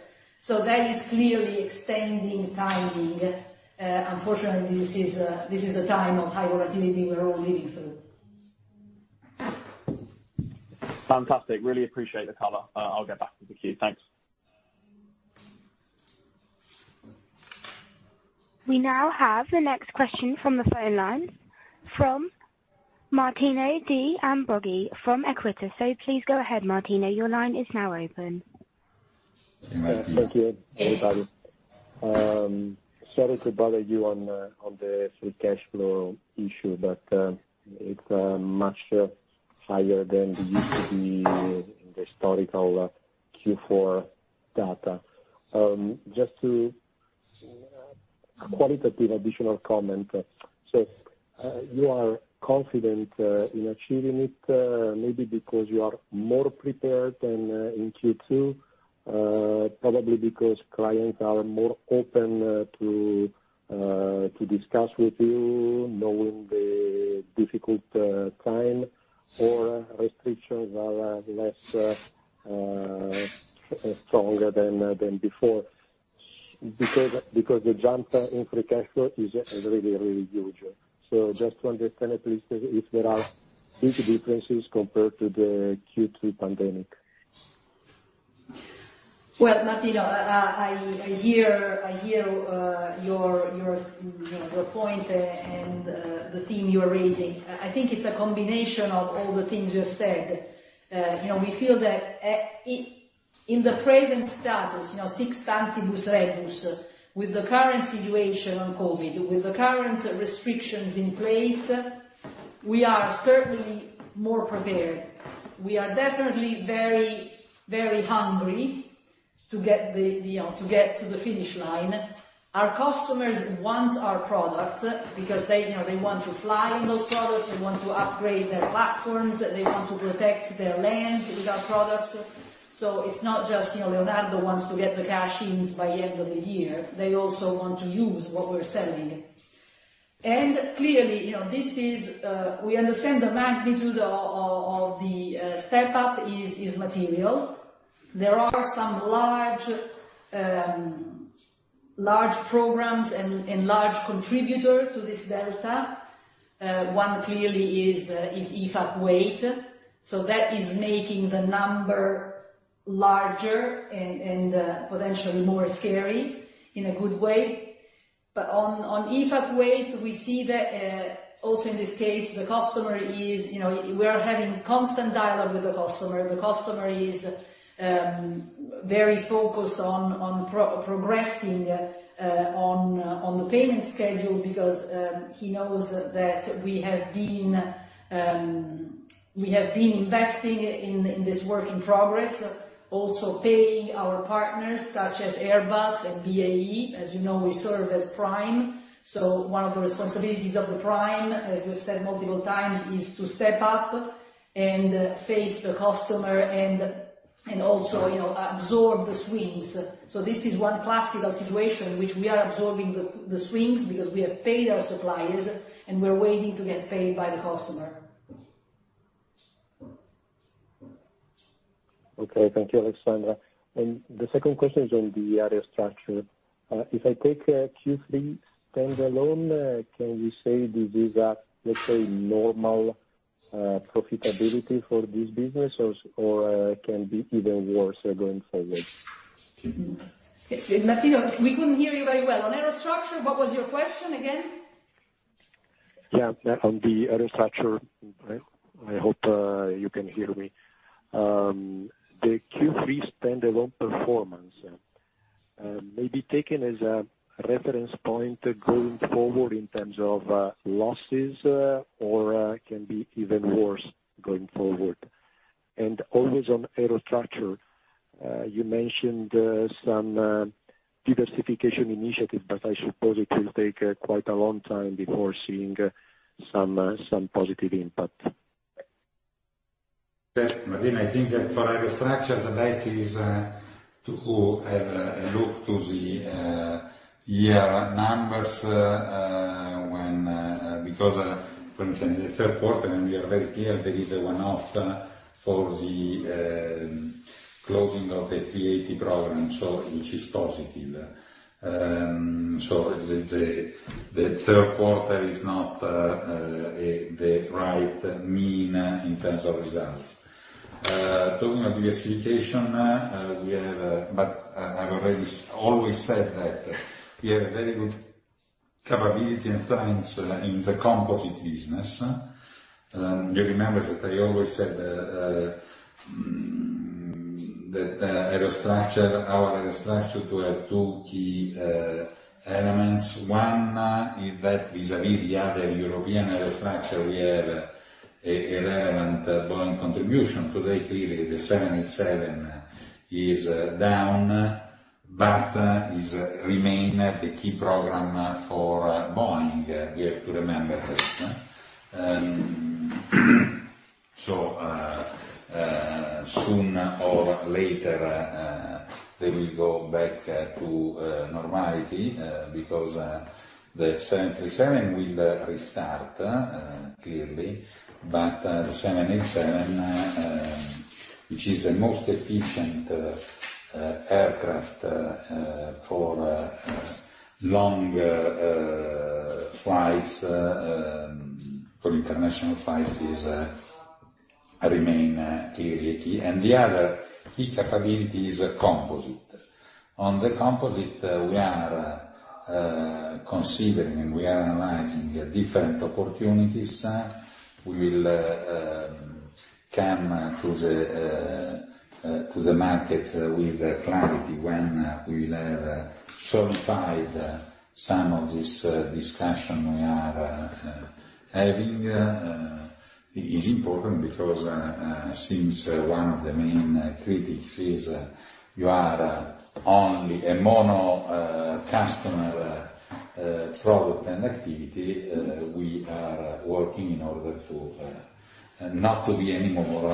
C: That is clearly extending timing. Unfortunately, this is a time of high volatility we're all living through.
F: Fantastic. Really appreciate the color. I'll get back to the queue. Thanks.
D: We now have the next question from the phone lines from Martino De Ambroggi from Equita. Please go ahead, Martino. Your line is now open.
B: Martino.
G: Thank you, everybody. Sorry to bother you on the free cash flow issue, it's much higher than the usual in the historical Q4 data. Just to qualitative additional comment. You are confident in achieving it, maybe because you are more prepared than in Q2, probably because clients are more open to discuss with you, knowing the difficult time or restrictions are less stronger than before. The jump in free cash flow is really, really huge. Just to understand at least if there are huge differences compared to the Q2 pandemic.
C: Well, Martino, I hear your point and the theme you're raising. I think it's a combination of all the things you've said. We feel that in the present status, sic stantibus, with the current situation on COVID, with the current restrictions in place, we are certainly more prepared. We are definitely very hungry to get to the finish line. Our customers want our product because they want to fly in those products, they want to upgrade their platforms, they want to protect their lands with our products. It's not just Leonardo wants to get the cash-ins by end of the year. They also want to use what we're selling. Clearly, we understand the magnitude of the step up is material. There are some large programs and large contributor to this delta. One clearly is EFA Kuwait. That is making the number larger and potentially more scary in a good way. On EFA Kuwait, we see that, also in this case, we are having constant dialogue with the customer. The customer is very focused on progressing on the payment schedule because he knows that we have been investing in this work in progress, also paying our partners such as Airbus and BAE. As you know, we serve as Prime. One of the responsibilities of the Prime, as we've said multiple times, is to step up and face the customer and also absorb the swings. This is one classical situation in which we are absorbing the swings because we have paid our suppliers, and we're waiting to get paid by the customer.
G: Okay. Thank you, Alessandra. The second question is on the Aerostructures. If I take Q3 stand-alone, can we say this is a, let's say, normal profitability for this business, or it can be even worse going forward?
C: Martino, we couldn't hear you very well. On Aerostructure, what was your question again?
G: Yeah. On the Aerostructure. I hope you can hear me. The Q3 stand-alone performance may be taken as a reference point going forward in terms of losses or can be even worse going forward. Always on Aerostructure, you mentioned some diversification initiative, but I suppose it will take quite a long time before seeing some positive impact.
B: Yes, Martino, I think that for Aerostructure, the best is to have a look to the year numbers, because, for instance, in the third quarter, and we are very clear, there is a one-off for the closing of the A380 program, which is positive. The third quarter is not the right mean in terms of results. Talking of diversification, I've always said that we have a very good capability and strength in the composite business. You remember that I always said that our Aerostructure to have two key elements. One, that vis-à-vis the other European Aerostructure, we have a relevant Boeing contribution. Today, clearly, the 787 is down, but it remain the key program for Boeing. We have to remember this. Sooner or later, they will go back to normality because the 737 will restart, clearly. The 787, which is the most efficient aircraft for long flights, for the commercial flights, remain clearly a key. The other key capability is composite. On the composite, we are considering and we are analyzing different opportunities. We will come to the market with clarity when we will have solidified some of this discussion we are having. It's important because, since one of the main criticism is you are only a mono customer product and activity, we are working in order to not to be anymore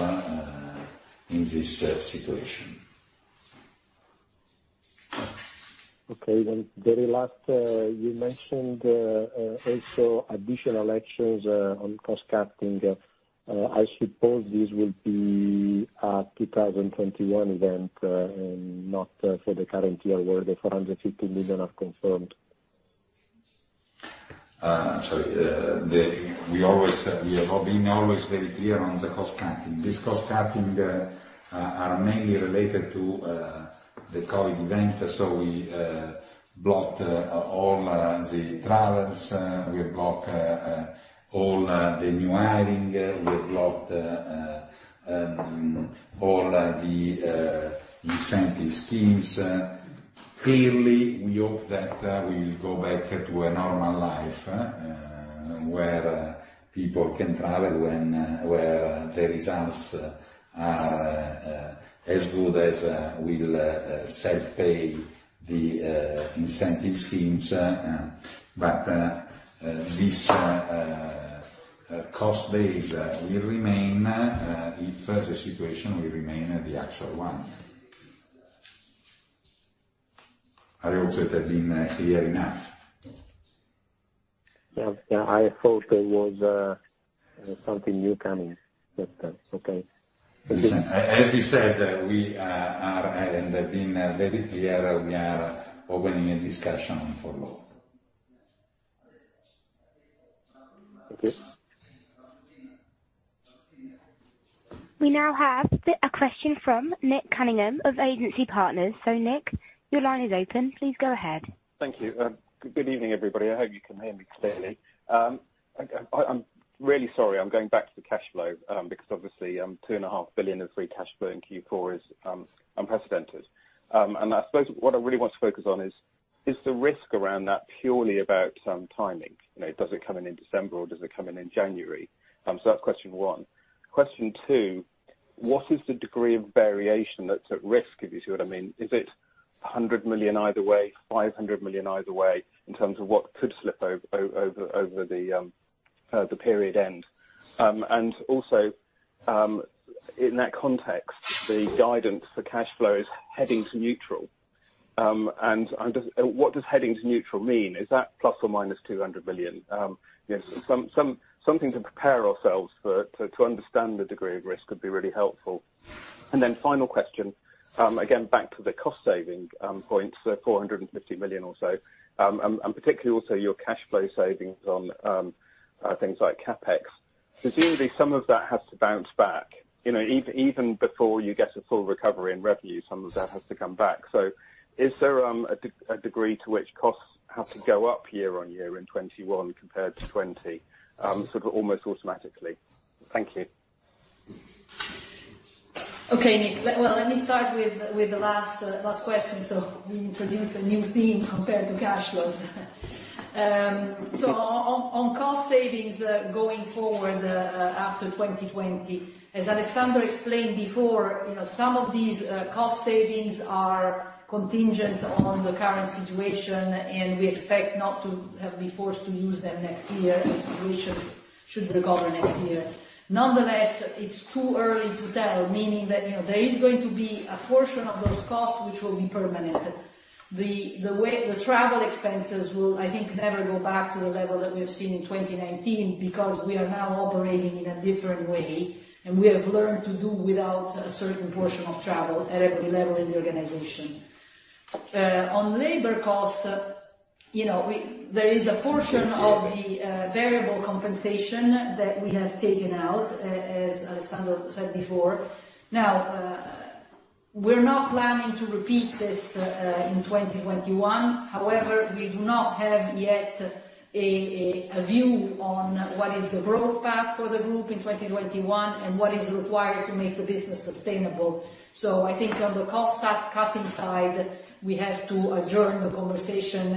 B: in this situation.
G: Okay. Very last, you mentioned also additional actions on cost cutting. I suppose this will be a 2021 event and not for the current year where the 450 million are confirmed.
B: Sorry. We have all been always very clear on the cost cutting. This cost cutting are mainly related to the COVID event. We blocked all the travels, we blocked all the new hiring, we blocked all the incentive schemes. Clearly, we hope that we will go back to a normal life, where people can travel when the results are as good as we will self-pay the incentive schemes. This cost base will remain if the situation will remain the actual one. I hope that I've been clear enough.
G: Yeah. I thought there was something new coming just then. Okay.
B: Listen, as we said, we are, and have been very clear, we are opening a discussion furlough.
G: Okay.
D: We now have a question from Nick Cunningham of Agency Partners. Nick, your line is open. Please go ahead.
H: Thank you. Good evening, everybody. I hope you can hear me clearly. I'm really sorry. I'm going back to the cash flow, obviously, 2.5 billion of free cash flow in Q4 is unprecedented. I suppose what I really want to focus on is the risk around that purely about timing? Does it come in December or does it come in in January? That's question one. Question two, what is the degree of variation that's at risk? If you see what I mean. Is it 100 million either way, 500 million either way, in terms of what could slip over the period end? Also, in that context, the guidance for cash flow is heading to neutral. What does heading to neutral mean? Is that ±200 million? Something to prepare ourselves for, to understand the degree of risk would be really helpful. Final question, again, back to the cost saving point, so 450 million or so. Particularly also your cash flow savings on things like CapEx. Presumably some of that has to bounce back, even before you get a full recovery in revenue, some of that has to come back. Is there a degree to which costs have to go up year-over-year in 2021 compared to 2020, sort of almost automatically? Thank you.
C: Okay, Nick. Well, let me start with the last question. We introduce a new theme compared to cash flows. On cost savings going forward after 2020, as Alessandro explained before, some of these cost savings are contingent on the current situation, and we expect not to have be forced to use them next year if situations should recover next year. Nonetheless, it's too early to tell, meaning that there is going to be a portion of those costs which will be permanent. The travel expenses will, I think, never go back to the level that we have seen in 2019 because we are now operating in a different way, and we have learned to do without a certain portion of travel at every level in the organization. On labor cost, there is a portion of the variable compensation that we have taken out, as Alessandro said before. We're not planning to repeat this in 2021. We do not have yet a view on what is the growth path for the group in 2021 and what is required to make the business sustainable. I think on the cost cutting side, we have to adjourn the conversation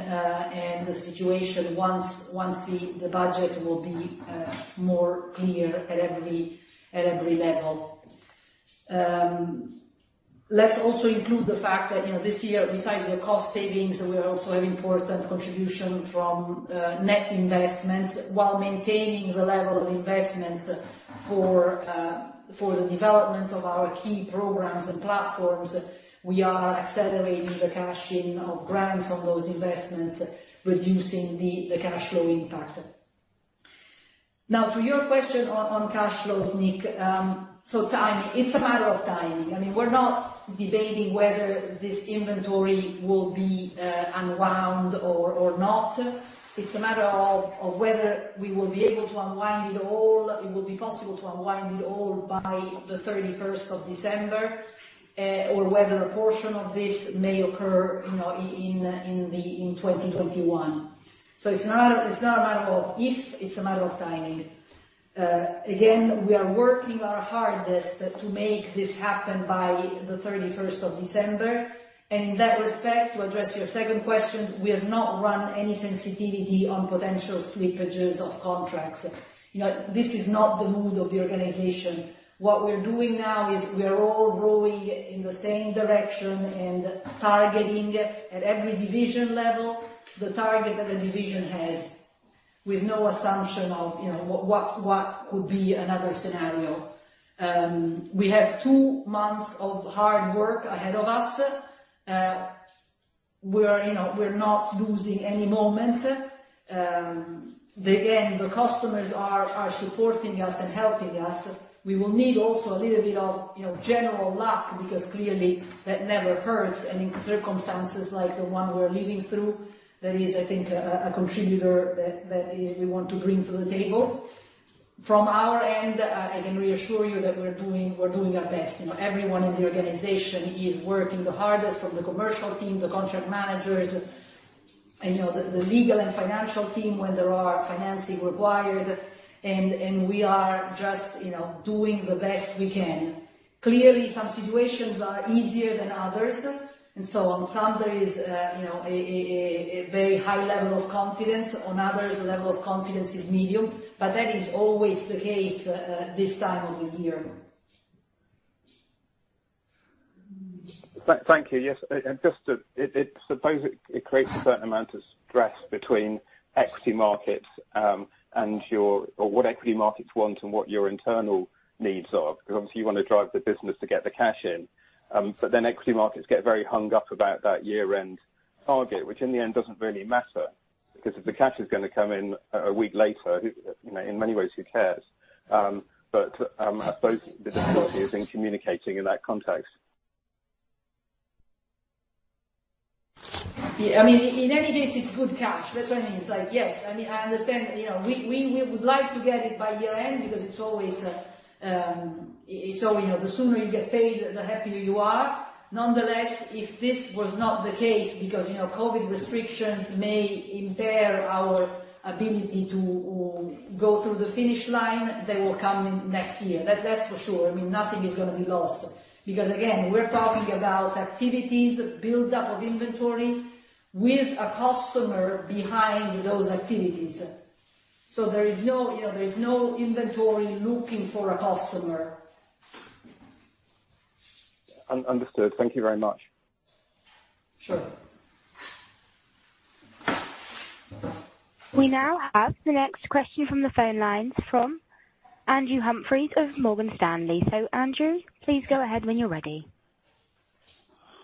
C: and the situation once the budget will be more clear at every level. Let's also include the fact that this year, besides the cost savings, we also have important contribution from net investments while maintaining the level of investments for the development of our key programs and platforms. We are accelerating the cashing of grants on those investments, reducing the cash flow impact. To your question on cash flows, Nick. Timing, it's a matter of timing. I mean, we're not debating whether this inventory will be unwound or not. It's a matter of whether we will be able to unwind it all, it will be possible to unwind it all by the 31st of December, or whether a portion of this may occur in 2021. It's not a matter of if, it's a matter of timing. Again, we are working our hardest to make this happen by the 31st of December. In that respect, to address your second question, we have not run any sensitivity on potential slippages of contracts. This is not the mood of the organization. What we're doing now is we are all rowing in the same direction and targeting at every division level the target that the division has with no assumption of what could be another scenario. We have two months of hard work ahead of us. We're not losing any moment. Again, the customers are supporting us and helping us. We will need also a little bit of general luck because clearly, that never hurts. In circumstances like the one we're living through, that is, I think, a contributor that we want to bring to the table. From our end, I can reassure you that we're doing our best. Everyone in the organization is working the hardest from the commercial team, the contract managers, the legal and financial team when there are financing required, and we are just doing the best we can. Clearly, some situations are easier than others. On some there is a very high level of confidence. On others, the level of confidence is medium, but that is always the case this time of the year.
H: Thank you. Yes. I suppose it creates a certain amount of stress between equity markets and what equity markets want and what your internal needs are, because obviously you want to drive the business to get the cash in. Equity markets get very hung up about that year-end target, which in the end doesn't really matter. Because if the cash is going to come in a week later, in many ways, who cares? I suppose the difficulty is in communicating in that context.
C: Yeah. In any case, it's good cash. That is what I mean. It is like, yes, I understand. We would like to get it by year-end because the sooner you get paid, the happier you are. Nonetheless, if this was not the case because COVID restrictions may impair our ability to go through the finish line, they will come next year. That is for sure. Nothing is going to be lost because, again, we are talking about activities, build-up of inventory with a customer behind those activities. There is no inventory looking for a customer.
H: Understood. Thank you very much.
C: Sure.
D: We now have the next question from the phone lines from Andrew Humphries of Morgan Stanley. Andrew, please go ahead when you're ready.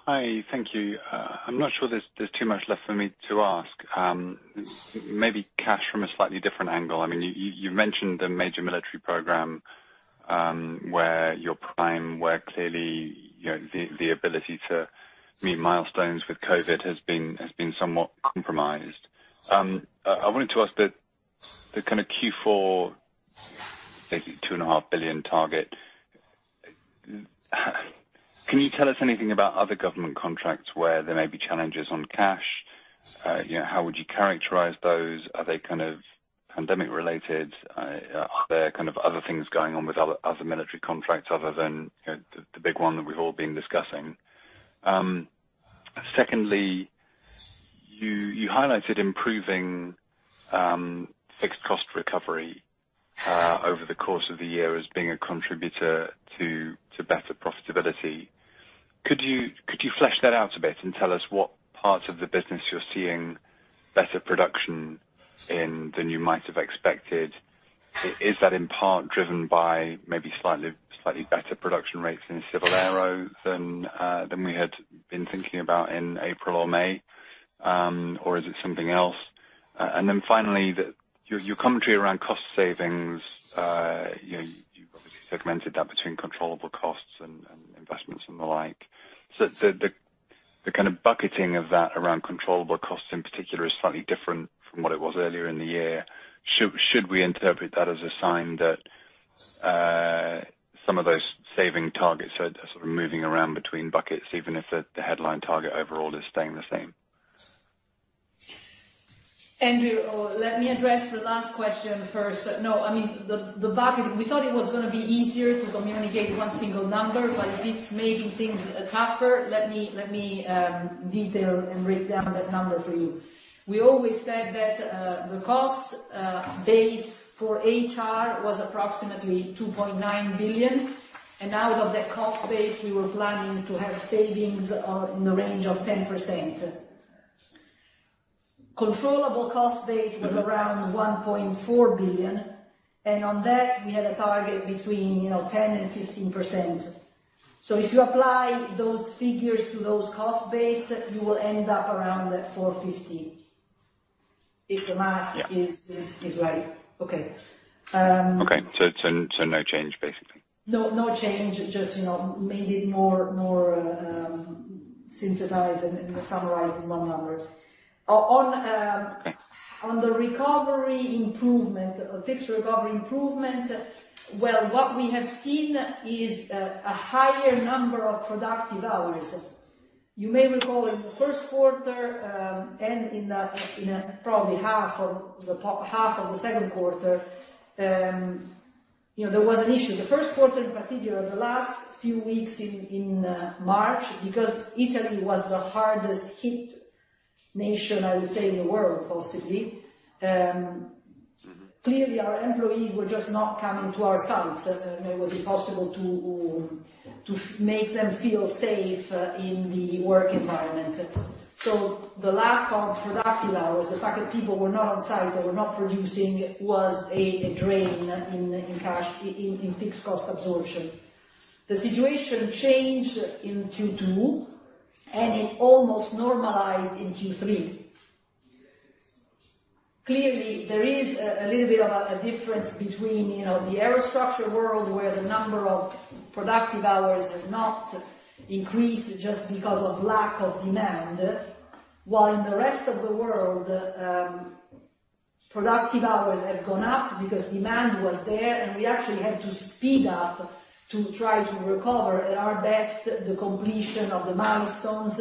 I: Hi. Thank you. I'm not sure there's too much left for me to ask. Maybe cash from a slightly different angle. You mentioned a major military program, where you're prime, where clearly, the ability to meet milestones with COVID-19 has been somewhat compromised. I wanted to ask, the kind of Q4, maybe 2.5 billion target. Can you tell us anything about other government contracts where there may be challenges on cash? How would you characterize those? Are they kind of pandemic-related? Are there other things going on with other military contracts other than the big one that we've all been discussing? Secondly, you highlighted improving fixed cost recovery over the course of the year as being a contributor to better profitability. Could you flesh that out a bit and tell us what parts of the business you're seeing better production in than you might have expected? Is that in part driven by maybe slightly better production rates in civil aero than we had been thinking about in April or May, or is it something else? Finally, your commentary around cost savings. You obviously segmented that between controllable costs and investments and the like. The kind of bucketing of that around controllable costs in particular is slightly different from what it was earlier in the year. Should we interpret that as a sign that some of those saving targets are sort of moving around between buckets, even if the headline target overall is staying the same?
C: Andrew, let me address the last question first. No, I mean, the bucketing. We thought it was going to be easier to communicate one single number, but it's making things tougher. Let me detail and break down that number for you. We always said that the cost base for HR was approximately 2.9 billion, and out of that cost base, we were planning to have savings in the range of 10%. Controllable cost base was around 1.4 billion, and on that, we had a target between 10% and 15%. If you apply those figures to those cost base, you will end up around 450.
I: Yeah.
C: is right. Okay.
I: Okay. No change, basically.
C: No change. Just made it more synthesized and summarized in one number.
I: Okay.
C: On the recovery improvement, fixed recovery improvement. Well, what we have seen is a higher number of productive hours. You may recall in the first quarter, and in probably half of the second quarter, there was an issue. The first quarter in particular, the last few weeks in March, because Italy was the hardest hit nation, I would say, in the world, possibly. Clearly, our employees were just not coming to our sites. It was impossible to make them feel safe in the work environment. The lack of productive hours, the fact that people were not on site, they were not producing, was a drain in cash, in fixed cost absorption. The situation changed in Q2, and it almost normalized in Q3. Clearly, there is a little bit of a difference between the aerostructure world, where the number of productive hours has not increased just because of lack of demand. While in the rest of the world, productive hours have gone up because demand was there, and we actually had to speed up to try to recover at our best the completion of the milestones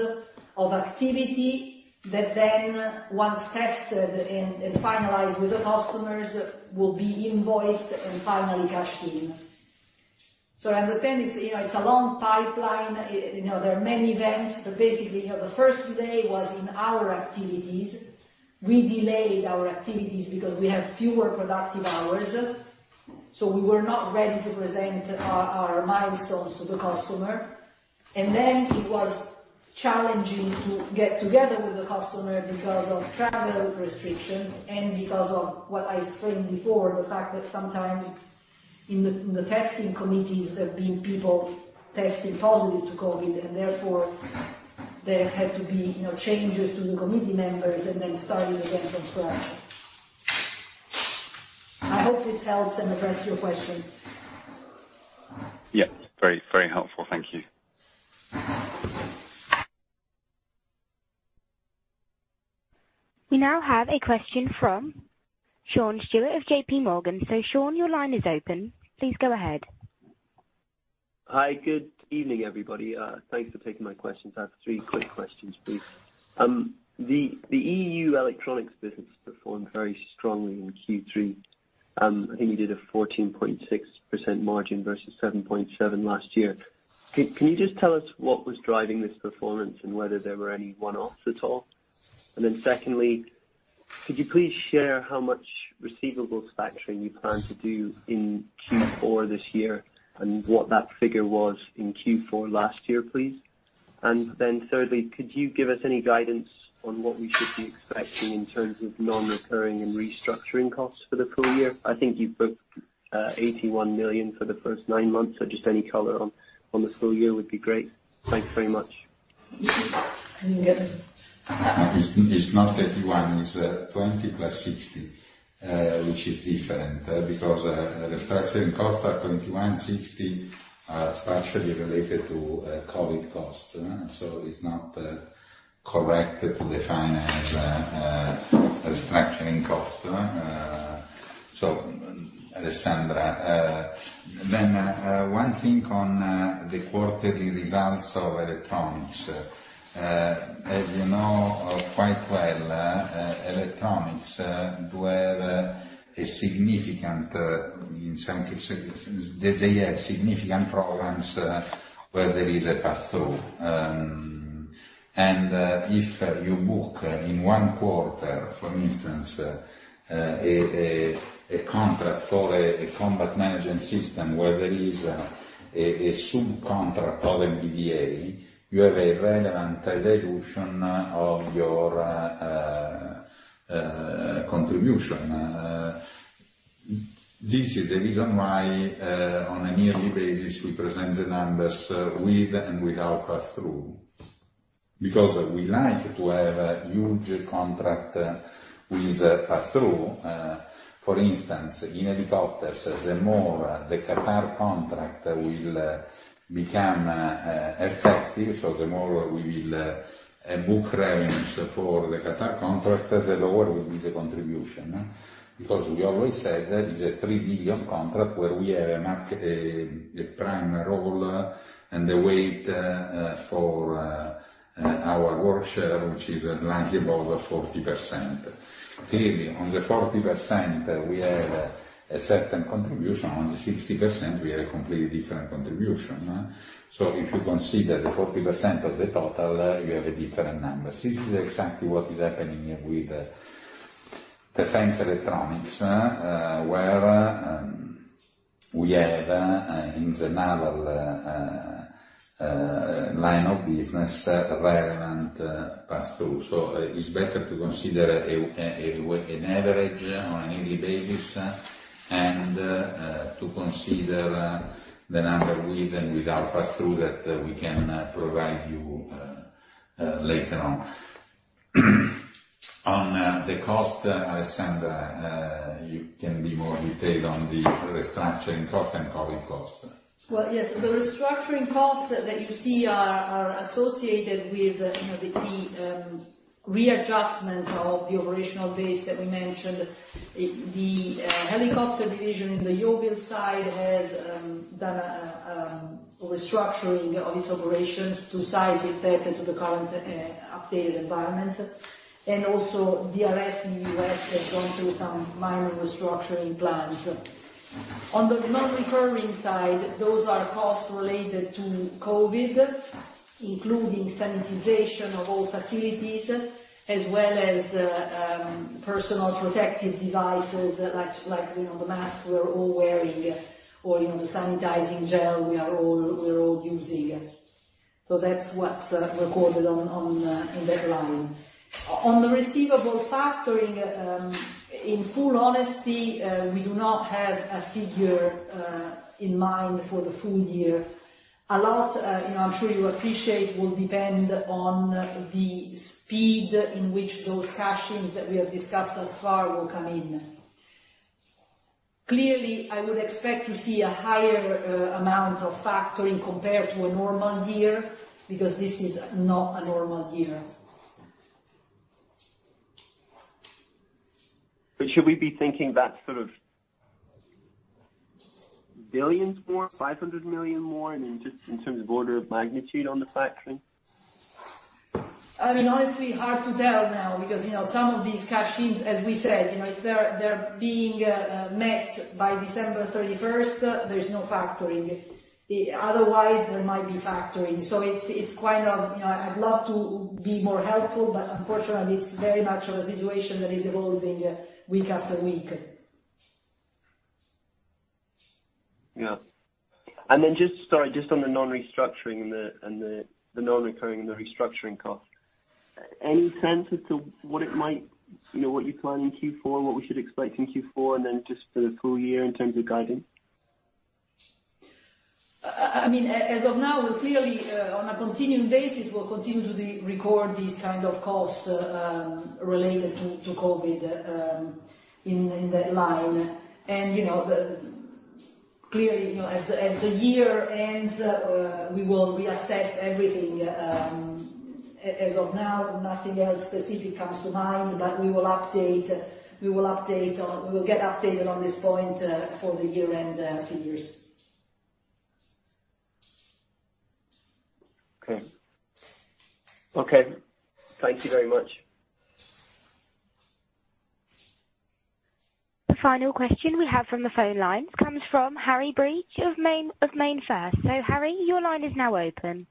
C: of activity, that then, once tested and finalized with the customers, will be invoiced and finally cashed in. I understand it's a long pipeline. There are many events, basically, the first delay was in our activities. We delayed our activities because we had fewer productive hours, so we were not ready to present our milestones to the customer. It was challenging to get together with the customer because of travel restrictions and because of what I explained before, the fact that sometimes in the testing committees, there have been people testing positive to COVID-19, and therefore, there had to be changes to the committee members and then starting again from scratch. I hope this helps and addresses your questions.
I: Yeah. Very helpful. Thank you.
D: We now have a question from Sean Stewart of JPMorgan. Sean, your line is open. Please go ahead.
J: Hi. Good evening, everybody. Thanks for taking my questions. I have three quick questions, please. The EU electronics business performed very strongly in Q3. I think you did a 14.6% margin versus 7.7% last year. Can you just tell us what was driving this performance and whether there were any one-offs at all? Secondly, could you please share how much receivables factoring you plan to do in Q4 this year and what that figure was in Q4 last year, please? Thirdly, could you give us any guidance on what we should be expecting in terms of non-recurring and restructuring costs for the full year? I think you've booked 81 million for the first nine months, so just any color on the full year would be great. Thank you very much.
C: Can you get that?
B: It's not 81, it's 20 + 60, which is different, because restructuring costs are 21, 60 are partially related to COVID costs. It's not correct to define as a restructuring cost. Alessandra, one thing on the quarterly results of electronics. As you know quite well, electronics, they have significant programs where there is a pass-through. If you book in one quarter, for instance, a contract for a combat management system where there is a sub-contract for MBDA, you have a relevant dilution of your contribution. This is the reason why, on a yearly basis, we present the numbers with and without pass-through, because we like to have a huge contract with pass-through. For instance, in helicopters, the more the Qatar contract will become effective, the more we will book revenues for the Qatar contract, the lower will be the contribution. We always said that it's a 3 billion contract where we have the prime role and the weight for our workshare, which is slightly above 40%. On the 40%, we have a certain contribution. On the 60%, we have a completely different contribution. If you consider the 40% of the total, you have a different number. This is exactly what is happening with defense electronics, where we have, in the naval line of business, relevant pass-through. It's better to consider an average on a yearly basis and to consider the number with and without pass-through that we can provide you later on. On the cost, Alessandra, you can be more in detail on the restructuring cost and COVID-19 cost.
C: Well, yes. The restructuring costs that you see are associated with the pre-readjustment of the operational base that we mentioned. The helicopter division in the Yeovil side has done a restructuring of its operations to size it better to the current updated environment. Also, the rest in the U.S. has gone through some minor restructuring plans. On the non-recurring side, those are costs related to COVID, including sanitization of all facilities, as well as personal protective devices, like the mask we're all wearing or the sanitizing gel we're all using. That's what's recorded in that line. On the receivable factoring, in full honesty, we do not have a figure in mind for the full year. A lot, I'm sure you appreciate, will depend on the speed in which those cash-ins that we have discussed thus far will come in. Clearly, I would expect to see a higher amount of factoring compared to a normal year, because this is not a normal year.
J: Should we be thinking that sort of billions more, 500 million more, in terms of order of magnitude on the factoring?
C: Honestly, hard to tell now, because some of these cash-ins, as we said, if they're being met by December 31st, there's no factoring. Otherwise, there might be factoring. I'd love to be more helpful, but unfortunately, it's very much a situation that is evolving week after week.
J: Yeah. Sorry, just on the non-restructuring and the non-recurring and the restructuring cost. Any sense as to what you plan in Q4, and what we should expect in Q4, and then just for the full year in terms of guiding?
B: As of now, we're clearly on a continuing basis, we'll continue to record these kind of costs, related to COVID, in the line. Clearly, as the year ends, we will reassess everything. As of now, nothing else specific comes to mind, but we will get updated on this point for the year-end figures.
J: Okay. Thank you very much.
D: The final question we have from the phone lines comes from Harry Breach of MainFirst. Harry, your line is now open.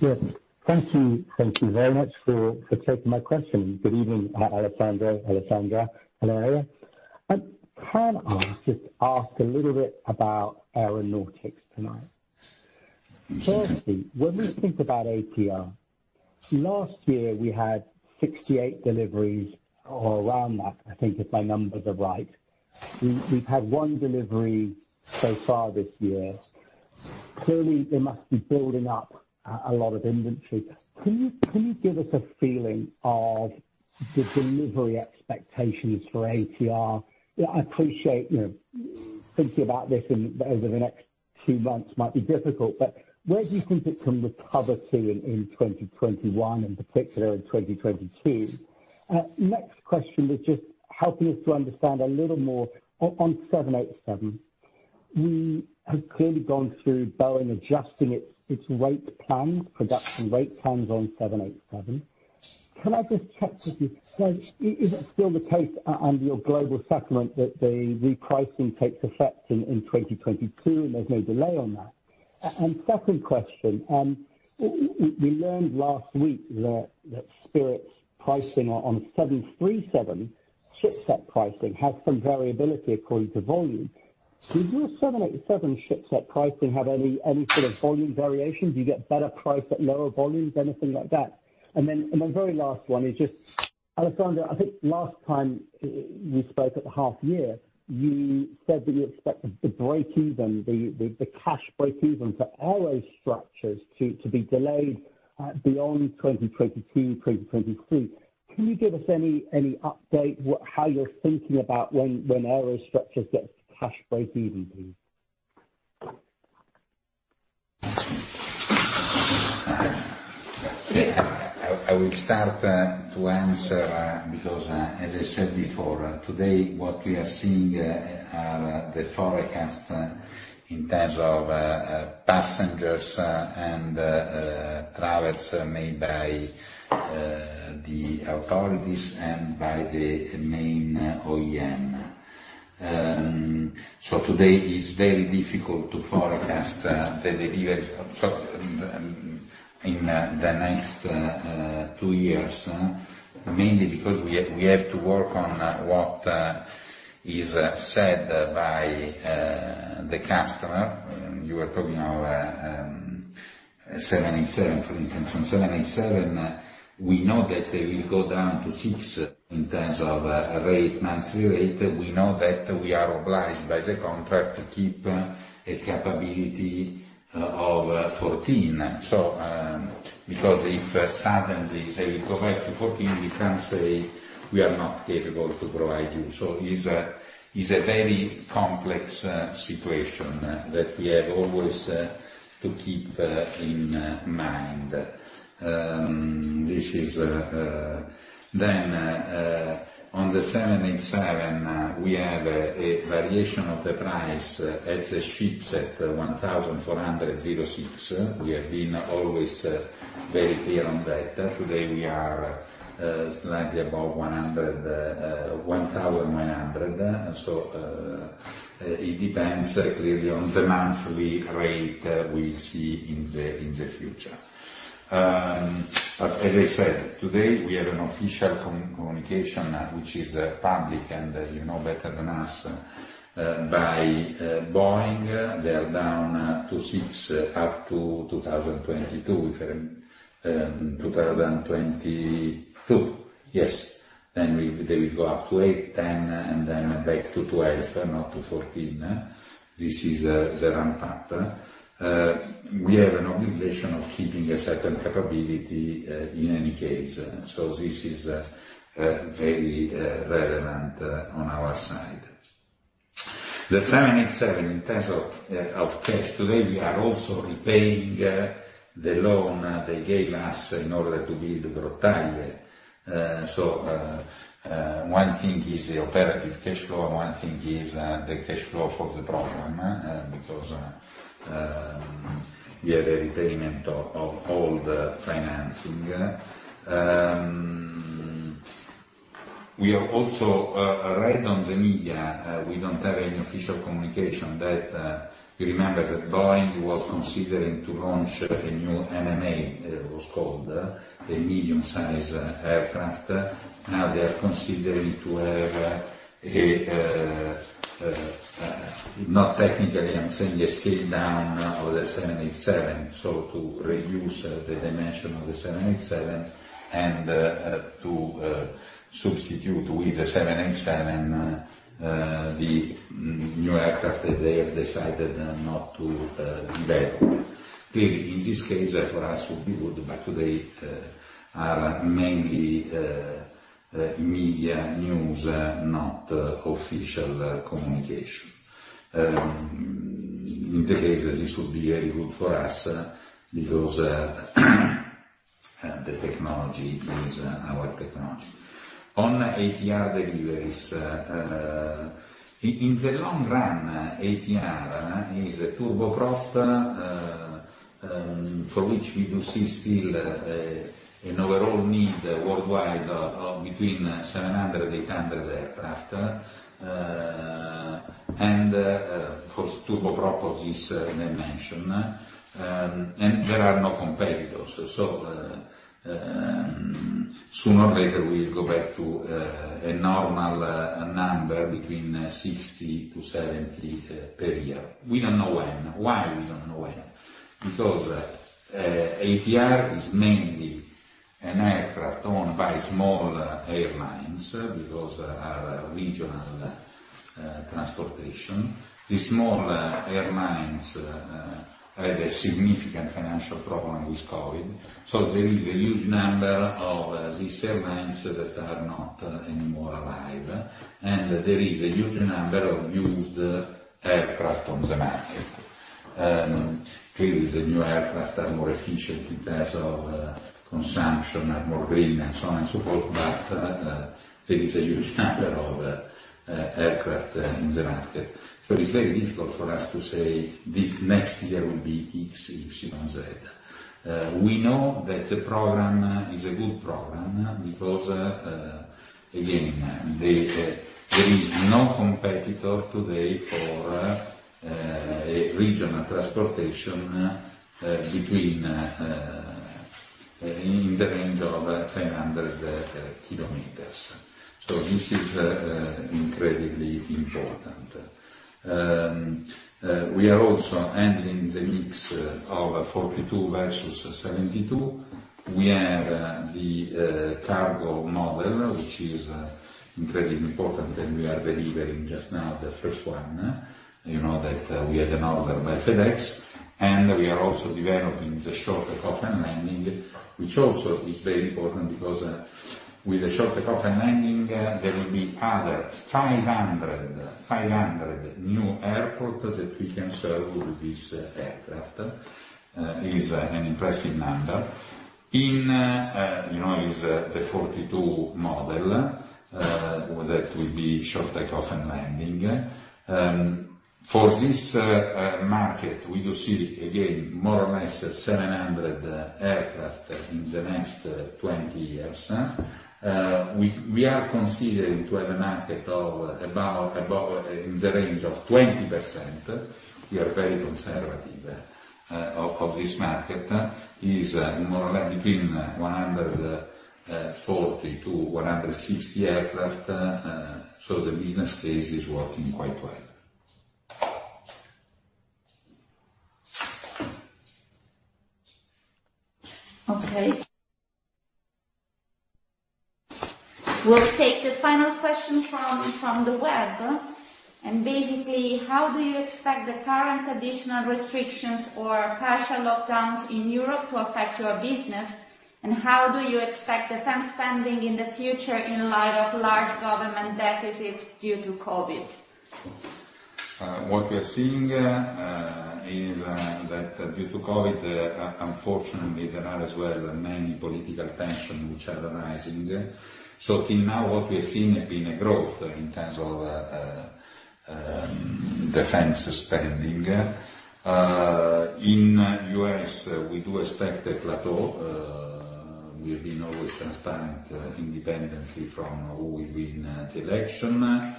K: Yes. Thank you very much for taking my question. Good evening, Alessandro, Alessandra, and I. Can I just ask a little bit about aeronautics tonight? Firstly, when we think about ATR, last year we had 68 deliveries or around that, I think, if my numbers are right. We've had one delivery so far this year. Clearly, they must be building up a lot of inventory. Can you give us a feeling of the delivery expectations for ATR? I appreciate, thinking about this over the next two months might be difficult, but where do you think it can recover to in 2021, and particular in 2022? Next question is just helping us to understand a little more on 787. We have clearly gone through Boeing adjusting its rate plans, production rate plans on 787. Can I just check with you, so is it still the case under your global settlement that the repricing takes effect in 2022, and there's no delay on that? Second question, we learned last week that Spirit's pricing on 737 ship set pricing has some variability according to volume. Does your 787 ship set pricing have any sort of volume variations? Do you get better price at lower volumes, anything like that? Then, my very last one is just, Alessandro, I think last time we spoke at the half year, you said that you expected the breakeven, the cash breakeven for aerostructures to be delayed beyond 2022, 2023. Can you give us any update how you're thinking about when aerostructures gets to cash breakeven, please?
B: I will start to answer, because, as I said before, today what we are seeing are the forecast in terms of passengers and travelers made by the authorities and by the main OEM. Today is very difficult to forecast the deliveries in the next two years, mainly because we have to work on what is said by the customer. You were talking of 787, for instance. On 787, we know that they will go down to six in terms of rate, monthly rate. We know that we are obliged by the contract to keep a capability of 14. If suddenly they say, "We go back to 14," we can't say, "We are not capable to provide you." Is a very complex situation that we have always to keep in mind. On the 787, we have a variation of the price at the ship set 1,406. We have been always very clear on that. Today we are slightly above 1,100. It depends clearly on the monthly rate we see in the future. But as I said, today, we have an official communication, which is public, and you know better than us, by Boeing. They are down to six up to 2022. Yes. Then they will go up to eight, 10, and then back to 12, not to 14. This is the ramp-up. We have an obligation of keeping a certain capability in any case, so this is very relevant on our side. The 787, in terms of cash, today we are also repaying the loan they gave us in order to build Grottaglie. One thing is the operative cash flow, and one thing is the cash flow for the program, because we have a repayment of all the financing. We have also read on the media, we don't have any official communication, that you remember that Boeing was considering to launch a new NMA, it was called, a medium-size aircraft. Now they are considering to have, not technically, I'm saying, a scale down of the 787. To reduce the dimension of the 787 and to substitute with the 787, the new aircraft that they have decided not to develop. In this case, for us, it would be good, but today are mainly media news, not official communication. In that case, this would be very good for us because the technology is our technology. ATR deliveries, in the long run, ATR is a turboprop, for which we do see still an overall need worldwide of between 700-800 aircraft. For turboprop of this dimension. There are no competitors. Sooner or later, we'll go back to a normal number between 60-70 per year. We don't know when. Why we don't know when? ATR is mainly an aircraft owned by small airlines, because are regional transportation. The small airlines had a significant financial problem with COVID-19. There is a huge number of these airlines that are not anymore alive. There is a huge number of used aircraft on the market. Clearly, the new aircraft are more efficient in terms of consumption, are more green and so on and so forth, there is a huge number of aircraft in the market. It's very difficult for us to say, "Next year will be X, Y, Z." We know that the program is a good program because, again, there is no competitor today for regional transportation in the range of 500 km. So this is incredibly important. We are also ending the mix of 42 versus 72. We have the cargo model, which is incredibly important, and we are delivering just now the first one. You know that we had an order by FedEx. We are also developing the short takeoff and landing, which also is very important because with the short takeoff and landing, there will be other 500 new airport that we can serve with this aircraft. It is an impressive number. In the 42 model, that will be short takeoff and landing. For this market, we do see, again, more or less 700 aircraft in the next 20 years. We are considering to have a market in the range of 20%. We are very conservative of this market. It is more or less between 140 to 160 aircraft, so the business case is working quite well.
A: Okay. We'll take the final question from the web, basically, how do you expect the current additional restrictions or partial lockdowns in Europe to affect your business? How do you expect defense spending in the future in light of large government deficits due to COVID?
B: What we are seeing is that due to COVID, unfortunately, there are as well many political tension which are arising. Till now, what we have seen has been a growth in terms of defense spending. In U.S., we do expect a plateau. We have been always transparent independently from who will win the election.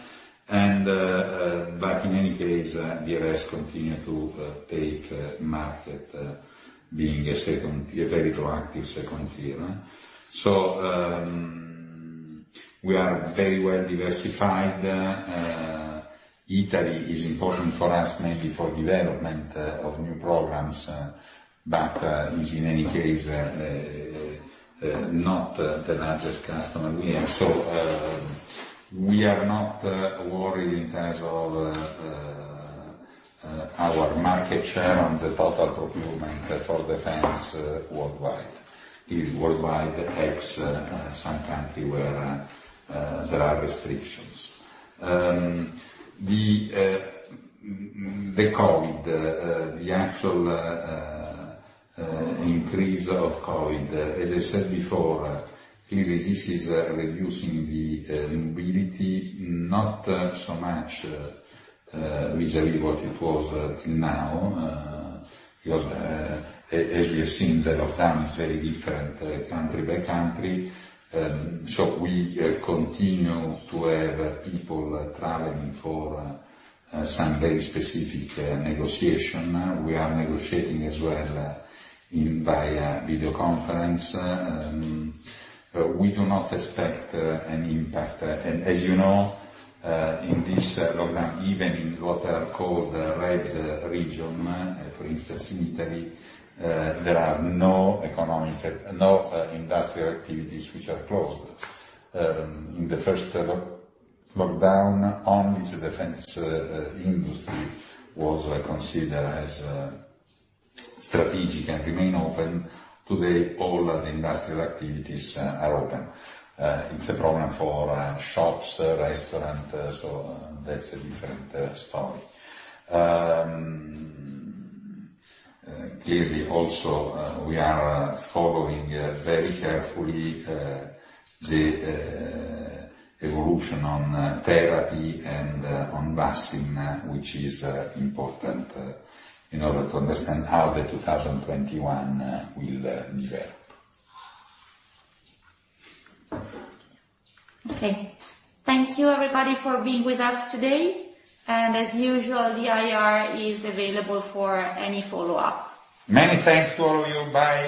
B: In any case, the U.S. continue to take market, being a very proactive second tier. We are very well diversified. Italy is important for us, mainly for development of new programs. Is, in any case, not the largest customer we have. We are not worried in terms of our market share on the total procurement for defense worldwide. Is worldwide ex some country where there are restrictions. The COVID, the actual increase of COVID, as I said before, clearly, this is reducing the mobility not so much vis-à-vis what it was till now. As we have seen, the lockdown is very different country by country. We continue to have people traveling for some very specific negotiation. We are negotiating as well via video conference. We do not expect any impact. As you know, in this lockdown, even in what are called the red region, for instance, in Italy, there are no industrial activities which are closed. In the first lockdown, only the defense industry was considered as strategic and remain open. Today, all the industrial activities are open. It's a problem for shops, restaurant, that's a different story. Clearly, also, we are following very carefully the evolution on therapy and on vaccine, which is important in order to understand how the 2021 will develop.
A: Okay. Thank you everybody for being with us today. As usual, the IR is available for any follow-up.
B: Many thanks to all of you. Bye.